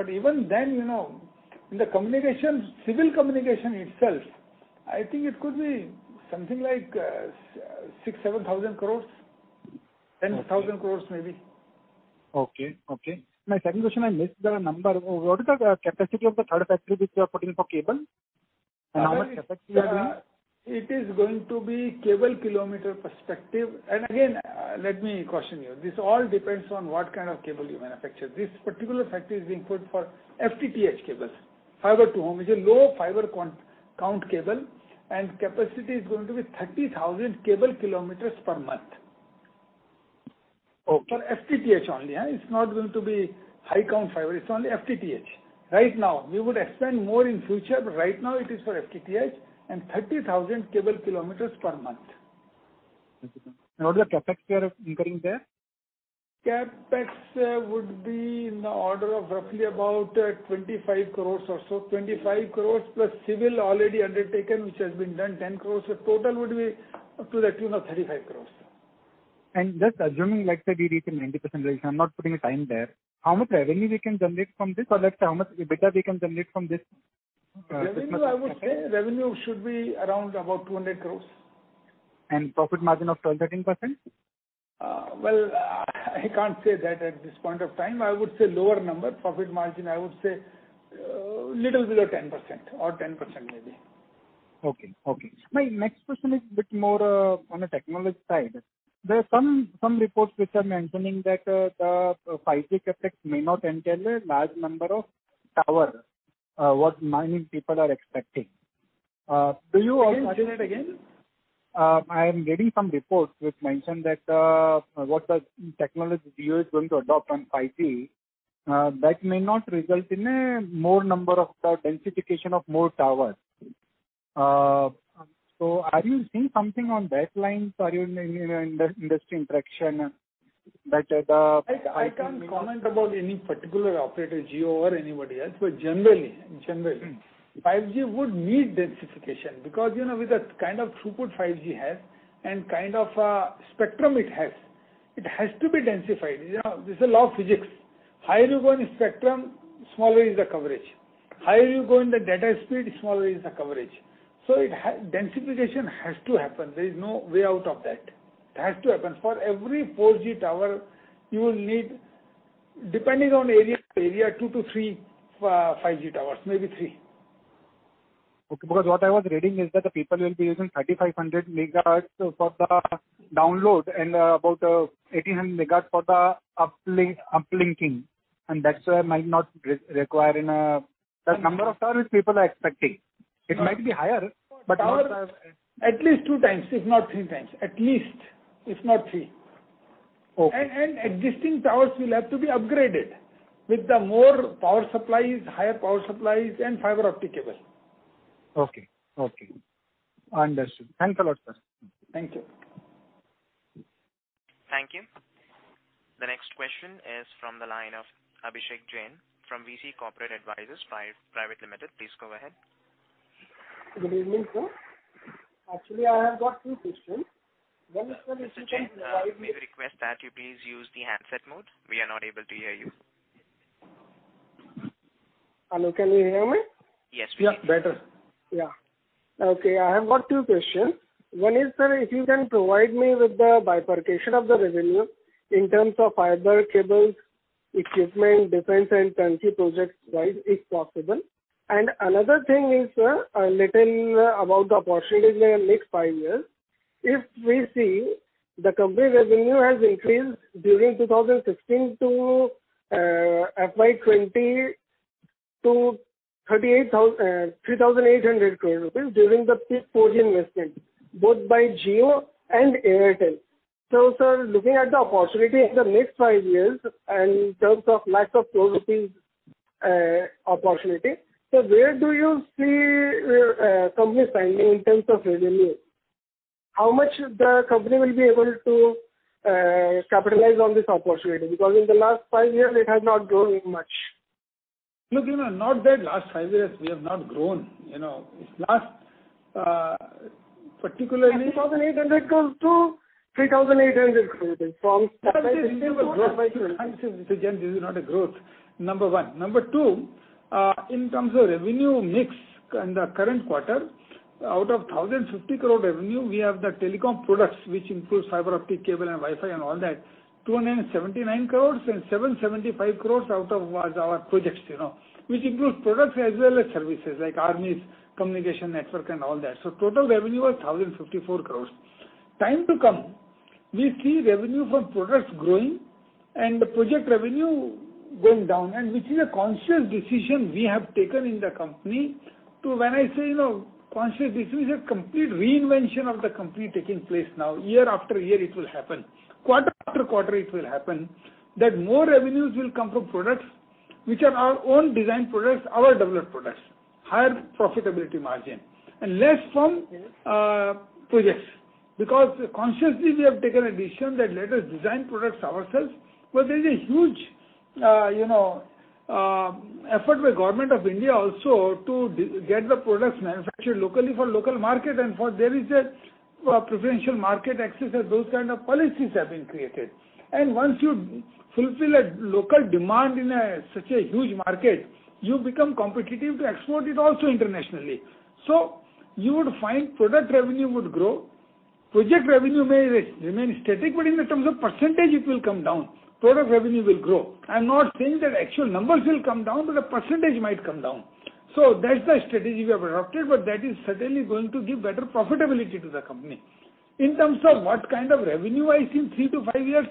Even then, in the civil communication itself, I think it could be something like 6,000 crores, 7,000 crores, 10,000 crores maybe. Okay. My second question, I missed the number. What is the capacity of the third factory which you are putting for cable? How much CapEx you are doing? It is going to be cable kilometer perspective. Again, let me caution you. This all depends on what kind of cable you manufacture. This particular factory is being put for FTTH cables, Fiber To Home. It's a low fiber count cable, and capacity is going to be 30,000 cable kilometers per month. Okay. For FTTH only. It's not going to be high count fiber. It's only FTTH right now. We would expand more in future, but right now it is for FTTH and 30,000 cable km per month. What is the CapEx you are incurring there? CapEx would be in the order of roughly about 25 crores or so. 25 crores plus civil already undertaken, which has been done 10 crores. Total would be up to 35 crores. Just assuming let's say we reach a 90% realization, I'm not putting a time there. How much revenue we can generate from this, or let's say how much EBITDA we can generate from this? Revenue, I would say revenue should be around about 200 crores. profit margin of 12, 13%? Well, I can't say that at this point of time. I would say lower number. Profit margin, I would say little below 10% or 10% maybe. Okay. My next question is bit more on a technology side. There are some reports which are mentioning that the 5G CapEx may not entail a large number of towers what many people are expecting. Do you also? Sorry, say that again. I am reading some reports which mention that what the technology Jio is going to adopt on 5G, that may not result in a more number of the densification of more towers. Are you seeing something on that line? Are you in industry interaction? I can't comment about any particular operator, Jio or anybody else. Generally, 5G would need densification because with the kind of throughput 5G has and kind of spectrum it has, it has to be densified. This is a law of physics. Higher you go in spectrum, smaller is the coverage. Higher you go in the data speed, smaller is the coverage. Densification has to happen. There is no way out of that. It has to happen. For every 4G tower, you will need, depending on area, two to three 5G towers, maybe three. Okay. What I was reading is that the people will be using 3,500 MHz for the download and about 1,800 megahertz for the uplinking, and that's why it might not require the number of towers people are expecting. It might be higher. At least two times, if not three times. At least. If not three. Okay. Existing towers will have to be upgraded with the more power supplies, higher power supplies, and fiber optic cable Okay. Understood. Thanks a lot, sir. Thank you. Thank you. The next question is from the line of Abhishek Jain from VC Corporate Advisors Private Limited. Please go ahead. Good evening, sir. Actually, I have got two questions. Mr. Jain, may we request that you please use the handset mode. We are not able to hear you. Hello, can you hear me? Yes, we can. Yes, better. Yeah. Okay. I have got two questions. One is, sir, if you can provide me with the bifurcation of the revenue in terms of fiber, cables, equipment, defense, and turnkey projects wise, if possible. Another thing is, sir, a little about the opportunity in the next five years. If we see, the company revenue has increased during 2016 to FY 2020 to 3,800 during the 4G investment, both by Jio and Airtel. Sir, looking at the opportunity in the next five years in terms of lack of INR 4,000 opportunity, sir, where do you see company standing in terms of revenue? How much the company will be able to capitalize on this opportunity? Because in the last five years, it has not grown much. Look, not that last five years we have not grown. INR 2,500 grows-INR 3,800. This is still a growth by 30%. This is not a growth. Number one. Number two, in terms of revenue mix in the current quarter, out of 1,050 crore revenue, we have the telecom products, which includes fiber optic cable and Wi-Fi and all that, 279 crores, and 775 crores out of our projects, which includes products as well as services, like army's communication network and all that. Total revenue was 1,054 crores. Time to come, we see revenue from products growing and project revenue going down, which is a conscious decision we have taken in the company. To when I say conscious, this is a complete reinvention of the company taking place now. Year-after-year, it will happen. Quarter-after-quarter, it will happen. More revenues will come from products, which are our own design products, our developed products, higher profitability margin. And less from- Yes projects. Consciously, we have taken a decision that let us design products ourselves, because there is a huge effort by Government of India also to get the products manufactured locally for local market, and for there is a Preferential Market Access and those kind of policies have been created. Once you fulfill a local demand in such a huge market, you become competitive to export it also internationally. You would find product revenue would grow. Project revenue may remain static, but in terms of percentage, it will come down. Product revenue will grow. I'm not saying that actual numbers will come down, but the percentage might come down. That's the strategy we have adopted, but that is certainly going to give better profitability to the company. In terms of what kind of revenue I see in three to five years,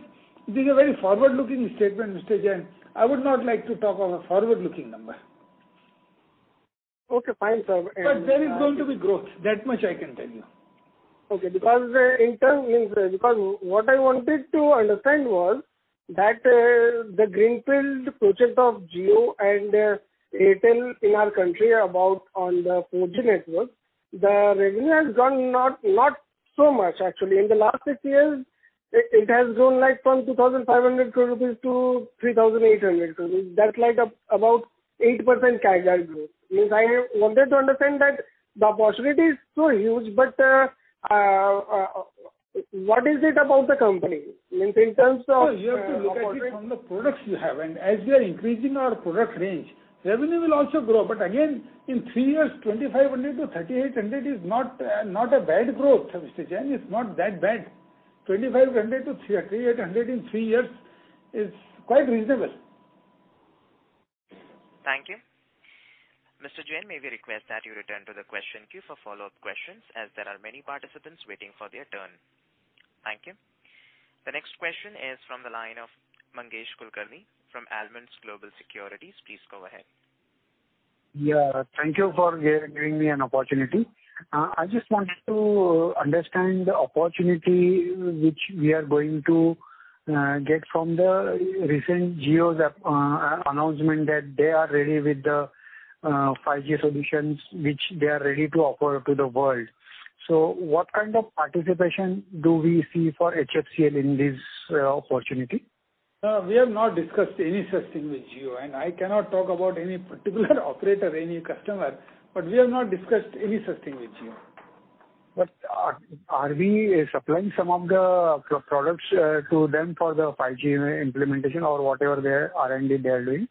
this is a very forward-looking statement, Mr. Jain. I would not like to talk of a forward-looking number. Okay, fine, sir. There is going to be growth. That much I can tell you. Okay, what I wanted to understand was that the greenfield project of Jio and Airtel in our country on the 4G network, the revenue has grown not so much actually. In the last six years, it has grown from 2,500 crore-3,800 crore rupees. That's about 8% CAGR growth. Means I wanted to understand that the opportunity is so huge, but what is it about the company? Sir, you have to look at it from the products you have. As we are increasing our product range, revenue will also grow. Again, in three years, 2,500-3,800 is not a bad growth, Mr. Jain. It's not that bad. 2,500-3,800 in three years is quite reasonable. Thank you. Mr. Jain, may we request that you return to the question queue for follow-up questions, as there are many participants waiting for their turn. Thank you. The next question is from the line of Mangesh Kulkarni from Almondz Global Securities. Please go ahead. Yeah, thank you for giving me an opportunity. I just wanted to understand the opportunity which we are going to get from the recent Jio's announcement that they are ready with the 5G solutions, which they are ready to offer to the world. What kind of participation do we see for HFCL in this opportunity? Sir, we have not discussed any such thing with Jio, and I cannot talk about any particular operator or any customer, but we have not discussed any such thing with Jio. Are we supplying some of the products to them for the 5G implementation or whatever R&D they are doing?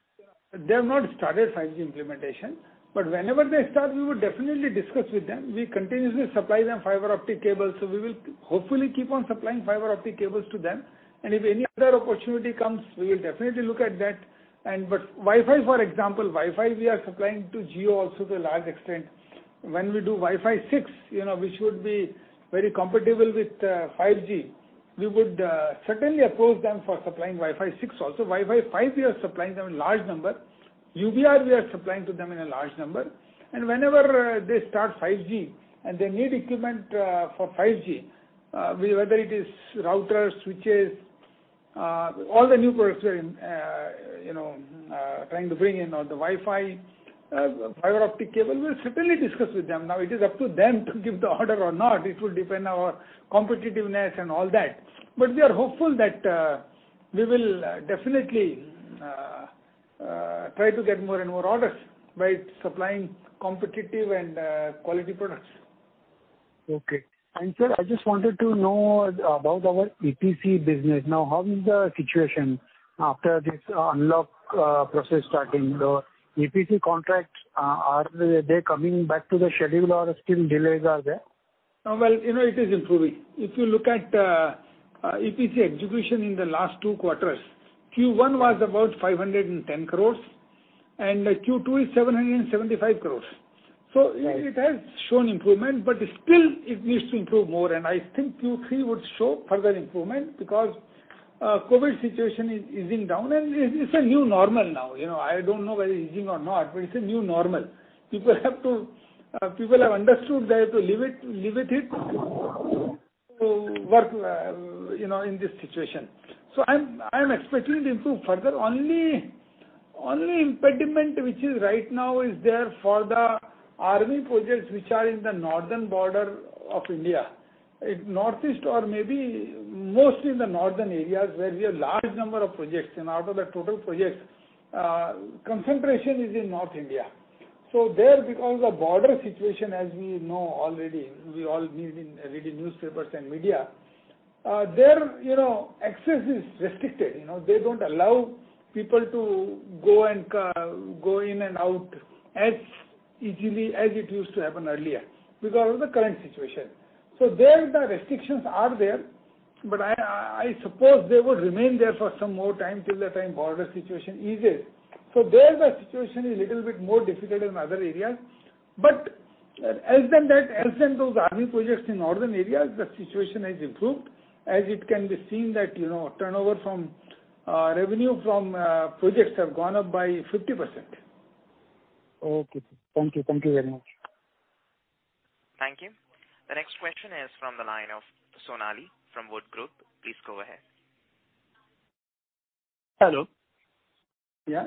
They have not started 5G implementation. Whenever they start, we would definitely discuss with them. We continuously supply them fiber optic cables, so we will hopefully keep on supplying fiber optic cables to them. If any other opportunity comes, we will definitely look at that. Wi-Fi, for example, Wi-Fi we are supplying to Jio also to a large extent. When we do Wi-Fi 6, which would be very compatible with 5G, we would certainly approach them for supplying Wi-Fi 6 also. Wi-Fi 5 we are supplying them in large number. UBR we are supplying to them in a large number. Whenever they start 5G, and they need equipment for 5G, whether it is routers, switches, all the new products we're trying to bring in, or the Wi-Fi, fiber optic cable, we'll certainly discuss with them. Now it is up to them to give the order or not. It will depend on our competitiveness and all that. We are hopeful that we will definitely try to get more and more orders by supplying competitive and quality products. Okay. Sir, I just wanted to know about our EPC business. Now, how is the situation after this unlock process starting? The EPC contracts, are they coming back to the schedule or still delays are there? Well, it is improving. If you look at EPC execution in the last two quarters, Q1 was about 510 crore, and Q2 is 775 crore. It has shown improvement, still it needs to improve more. I think Q3 would show further improvement because COVID situation is easing down, and it's a new normal now. I don't know whether easing or not, it's a new normal. People have understood they have to live with it, to work in this situation. I am expecting it to improve further. Only impediment which is right now is there for the army projects which are in the northern border of India. In Northeast or maybe mostly in the northern areas where we have large number of projects, and out of the total projects, concentration is in North India. There, because the border situation as we know already, we all read in newspapers and media, there access is restricted. They don't allow people to go in and out as easily as it used to happen earlier because of the current situation. There, the restrictions are there. I suppose they would remain there for some more time till the time border situation eases. There, the situation is little bit more difficult than other areas. Other than those army projects in northern areas, the situation has improved. As it can be seen that, revenue from projects have gone up by 50%. Okay. Thank you. Thank you very much. Thank you. The next question is from the line of Sonali from Wood Group. Please go ahead. Hello. Yeah.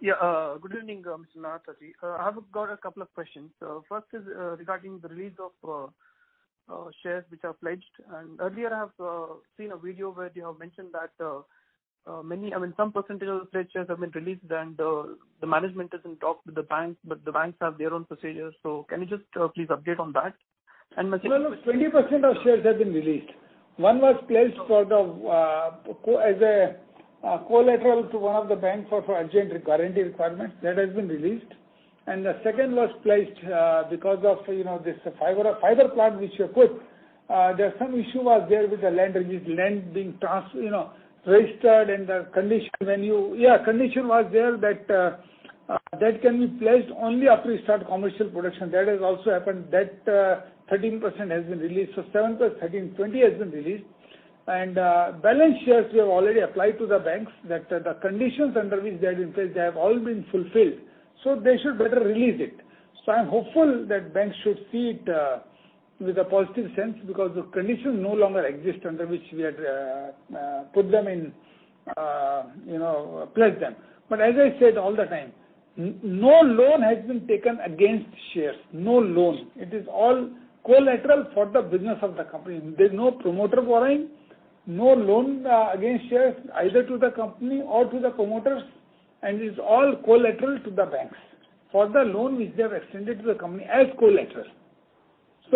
Yeah. Good evening, Mr. Nahata. I have got a couple of questions. First is regarding the release of shares which are pledged. Earlier I have seen a video where they have mentioned that some percentage of shared shares have been released and the management is in talk with the banks, but the banks have their own procedures. Can you just please update on that? My second- No, 20% of shares have been released. One was placed as a collateral to one of the banks for our guarantee requirements. That has been released. The second was placed because of this fiber plant which you put. There's some issue was there with the land being registered and the condition was there that can be pledged only after you start commercial production. That has also happened, that 13% has been released. 7+ 13, 20 has been released. Balance shares we have already applied to the banks that the conditions under which they have been placed, they have all been fulfilled. They should better release it. I'm hopeful that banks should see it with a positive sense because the conditions no longer exist under which we had pledged them. As I said all the time, no loan has been taken against shares. No loan. It is all collateral for the business of the company. There's no promoter borrowing, no loan against shares either to the company or to the promoters, and it's all collateral to the banks for the loan which they have extended to the company as collateral.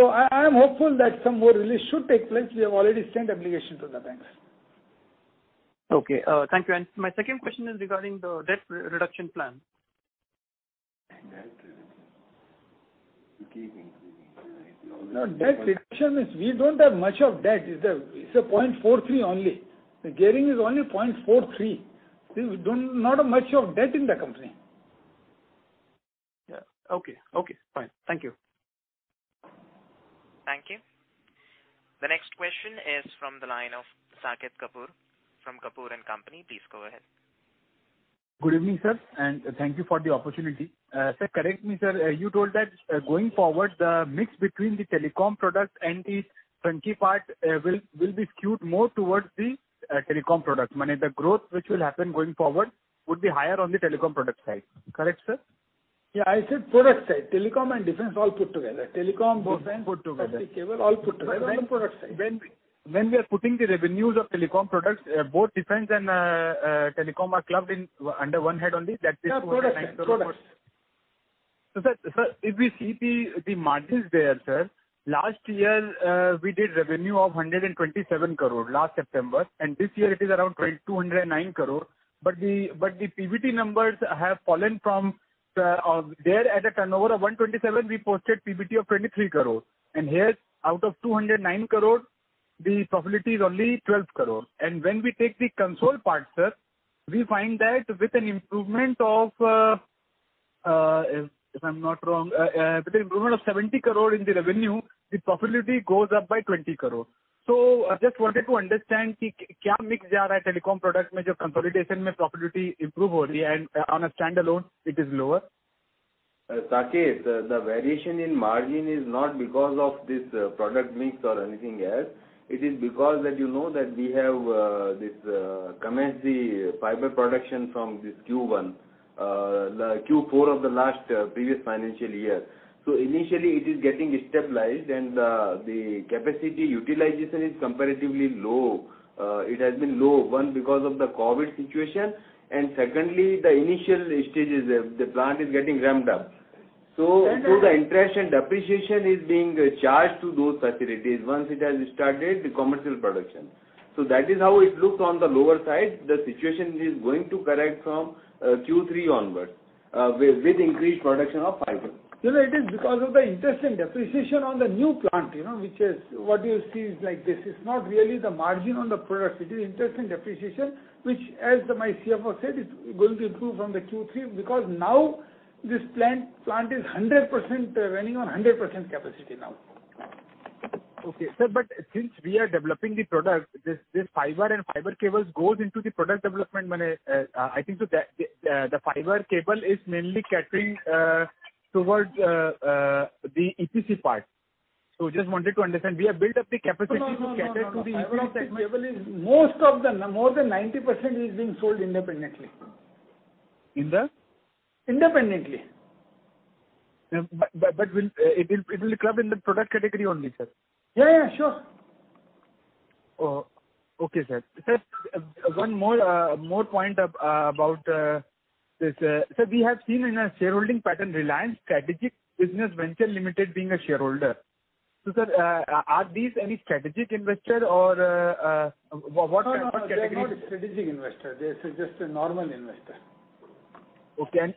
I am hopeful that some more release should take place. We have already sent application to the banks. Okay. Thank you. My second question is regarding the debt reduction plan. Debt reduction. It keeps increasing. No, we don't have much of debt. It's 0.43 only. The gearing is only 0.43. We don't have much of debt in the company. Yeah. Okay. Fine. Thank you. Thank you. The next question is from the line of Saket Kapoor from Kapoor & Company. Please go ahead. Good evening, sir, and thank you for the opportunity. Sir, correct me, sir. You told that going forward, the mix between the telecom products and the turnkey part will be skewed more towards the telecom products. Meaning the growth which will happen going forward would be higher on the telecom product side. Correct, sir? Yeah, I said product side. Telecom and defense all put together. Put together. The cable all put together on the product side. When we are putting the revenues of telecom products, both defense and telecom are clubbed under one head only? That is- No, product. Sir, if we see the margins there, sir, last year, we did revenue of INR 127 crore last September. This year it is around INR 209 crore. The PBT numbers have fallen from there. At a turnover of INR 127 crore, we posted PBT of INR 23 crore. Here, out of INR 209 crore, the profitability is only INR 12 crore. When we take the consolidated part, sir, we find that with an improvement of, if I'm not wrong, with an improvement of 70 crore in the revenue, the profitability goes up by 20 crore. I just wanted to understand, telecom product consolidated profitability improved only, and on a standalone it is lower? Saket, the variation in margin is not because of this product mix or anything else. It is because that you know that we have commenced the fiber production from this Q1, the Q4 of the last previous financial year. Initially it is getting stabilized and the capacity utilization is comparatively low. It has been low, one, because of the COVID situation and secondly, the initial stages, the plant is getting ramped up. The interest and depreciation is being charged to those facilities once it has started the commercial production. That is how it looks on the lower side. The situation is going to correct from Q3 onwards, with increased production of fiber. No, it is because of the interest and depreciation on the new plant, which is what you see is like this. It's not really the margin on the product. It is interest and depreciation, which as my CFO said, it's going to improve from the Q3 because now this plant is running on 100% capacity now. Okay, sir, since we are developing the product, this fiber and fiber cables goes into the product development. I think the fiber cable is mainly catering towards the EPC part. Just wanted to understand, we have built up the capacity to cater to the increase. No. Fiber optic cable is more than 90% is being sold independently. In the? Independently. It will club in the product category only, sir? Yeah. Sure. Oh, okay, sir. Sir, one more point about this. Sir, we have seen in our shareholding pattern Reliance Strategic Business Ventures Limited being a shareholder. Sir, are these any strategic investor or what category? No. They are not a strategic investor. They're just a normal investor. Okay.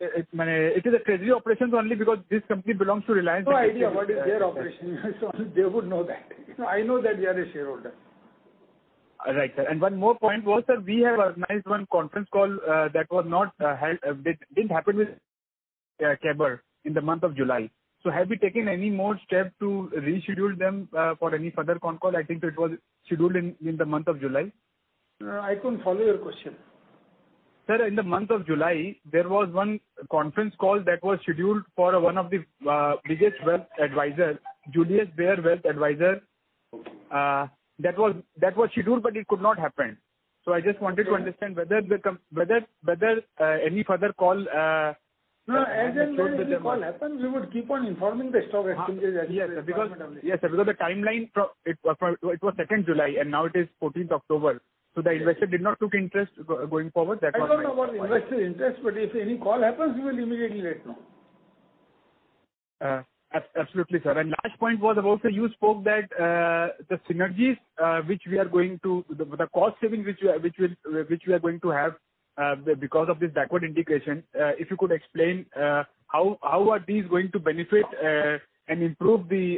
It is a treasury operations only because this company belongs to Reliance. No idea what is their operation. They would know that. I know that they are a shareholder Right, sir. One more point was that we have organized one conference call that didn't happen with Julius Baer in the month of July. Have you taken any more step to reschedule them for any further con call? I think that was scheduled in the month of July. No, I couldn't follow your question. Sir, in the month of July, there was one conference call that was scheduled for one of the biggest wealth advisors, Julius Baer Wealth Advisors. That was scheduled, but it could not happen. I just wanted to understand whether any further call- No, as and when any call happens, we would keep on informing the stock exchanges and the department of it. Yes, sir. The timeline, it was July 2nd, and now it is October 14th. The investor did not take interest going forward, that was my point. I don't know about investor interest, but if any call happens, we will immediately let know. Absolutely, sir. Last point was about, sir, you spoke that the synergies, the cost saving which we are going to have because of this backward integration, if you could explain how are these going to benefit and improve the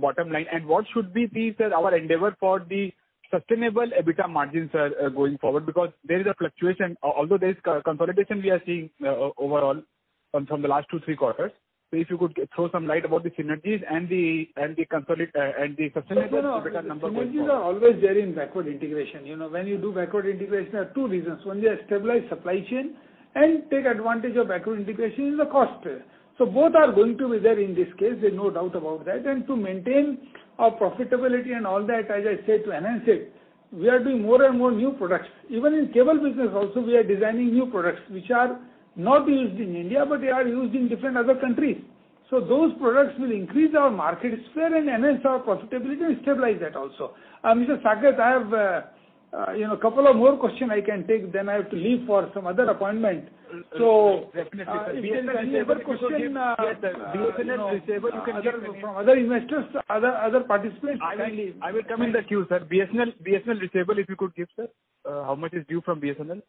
bottom line? What should be the, sir, our endeavor for the sustainable EBITDA margins, sir, going forward. There is a fluctuation, although there is consolidation we are seeing overall from the last two, three quarters. If you could throw some light about the synergies and the sustainable EBITDA number going forward. You do backward integration, there are two reasons. One, you have stabilized supply chain and take advantage of backward integration in the cost. Both are going to be there in this case, there's no doubt about that. To maintain our profitability and all that, as I said, to enhance it, we are doing more and more new products. Even in cable business also, we are designing new products which are not used in India, but they are used in different other countries. Those products will increase our market share and enhance our profitability, and stabilize that also. Mr. Saket, I have a couple of more question I can take, then I have to leave for some other appointment. Definitely, sir. If there's any other question from other investors, other participants. I will come in the queue, sir. BSNL receivable, if you could give, sir. How much is due from BSNL?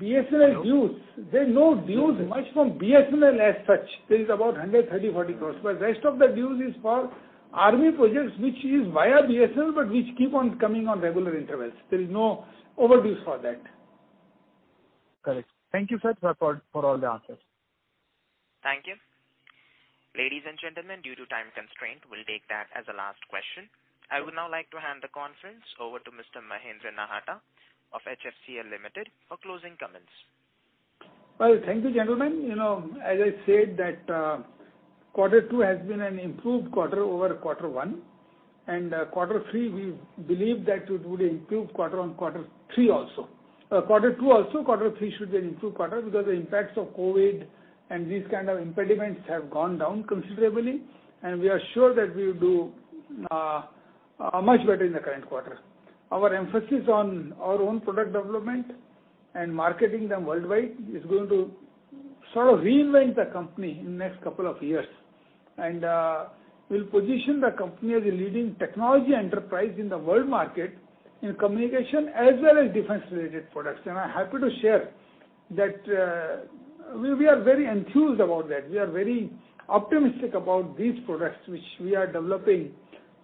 BSNL dues. There's no dues much from BSNL as such. There is about 130 crore, INR 140 crore. Rest of the dues is for army projects, which is via BSNL, but which keep on coming on regular intervals. There is no overdose for that. Correct. Thank you, sir, for all the answers. Thank you. Ladies and gentlemen, due to time constraint, we'll take that as the last question. I would now like to hand the conference over to Mr. Mahendra Nahata of HFCL Limited for closing comments. Well, thank you, gentlemen. As I said that quarter two has been an improved quarter-over-quarter one. Quarter three, we believe that it would improve quarter-on-quarter three also. Q3 should be an improved quarter because the impacts of COVID and these kind of impediments have gone down considerably. We are sure that we will do much better in the current quarter. Our emphasis on our own product development and marketing them worldwide is going to sort of reinvent the company in next couple of years. We'll position the company as a leading technology enterprise in the world market in communication as well as defense-related products. I'm happy to share that we are very enthused about that. We are very optimistic about these products, which we are developing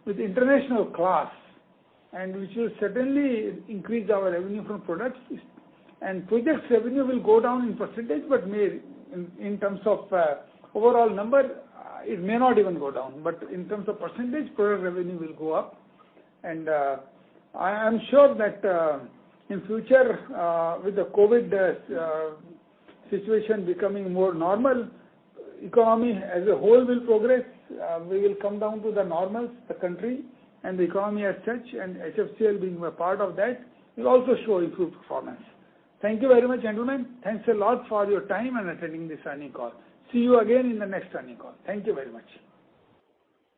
with international class and which will certainly increase our revenue from products. Product revenue will go down in percentage, but in terms of overall number, it may not even go down. In terms of percentage, product revenue will go up. I am sure that in future with the COVID situation becoming more normal, economy as a whole will progress. We will come down to the normals, the country and the economy as such, and HFCL being a part of that, will also show improved performance. Thank you very much, gentlemen. Thanks a lot for your time and attending this earnings call. See you again in the next earnings call. Thank you very much.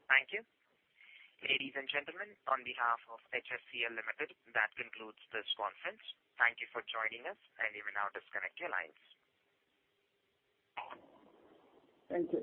Thank you. Ladies and gentlemen, on behalf of HFCL Limited, that concludes this conference. Thank you for joining us. You may now disconnect your lines. Thank you.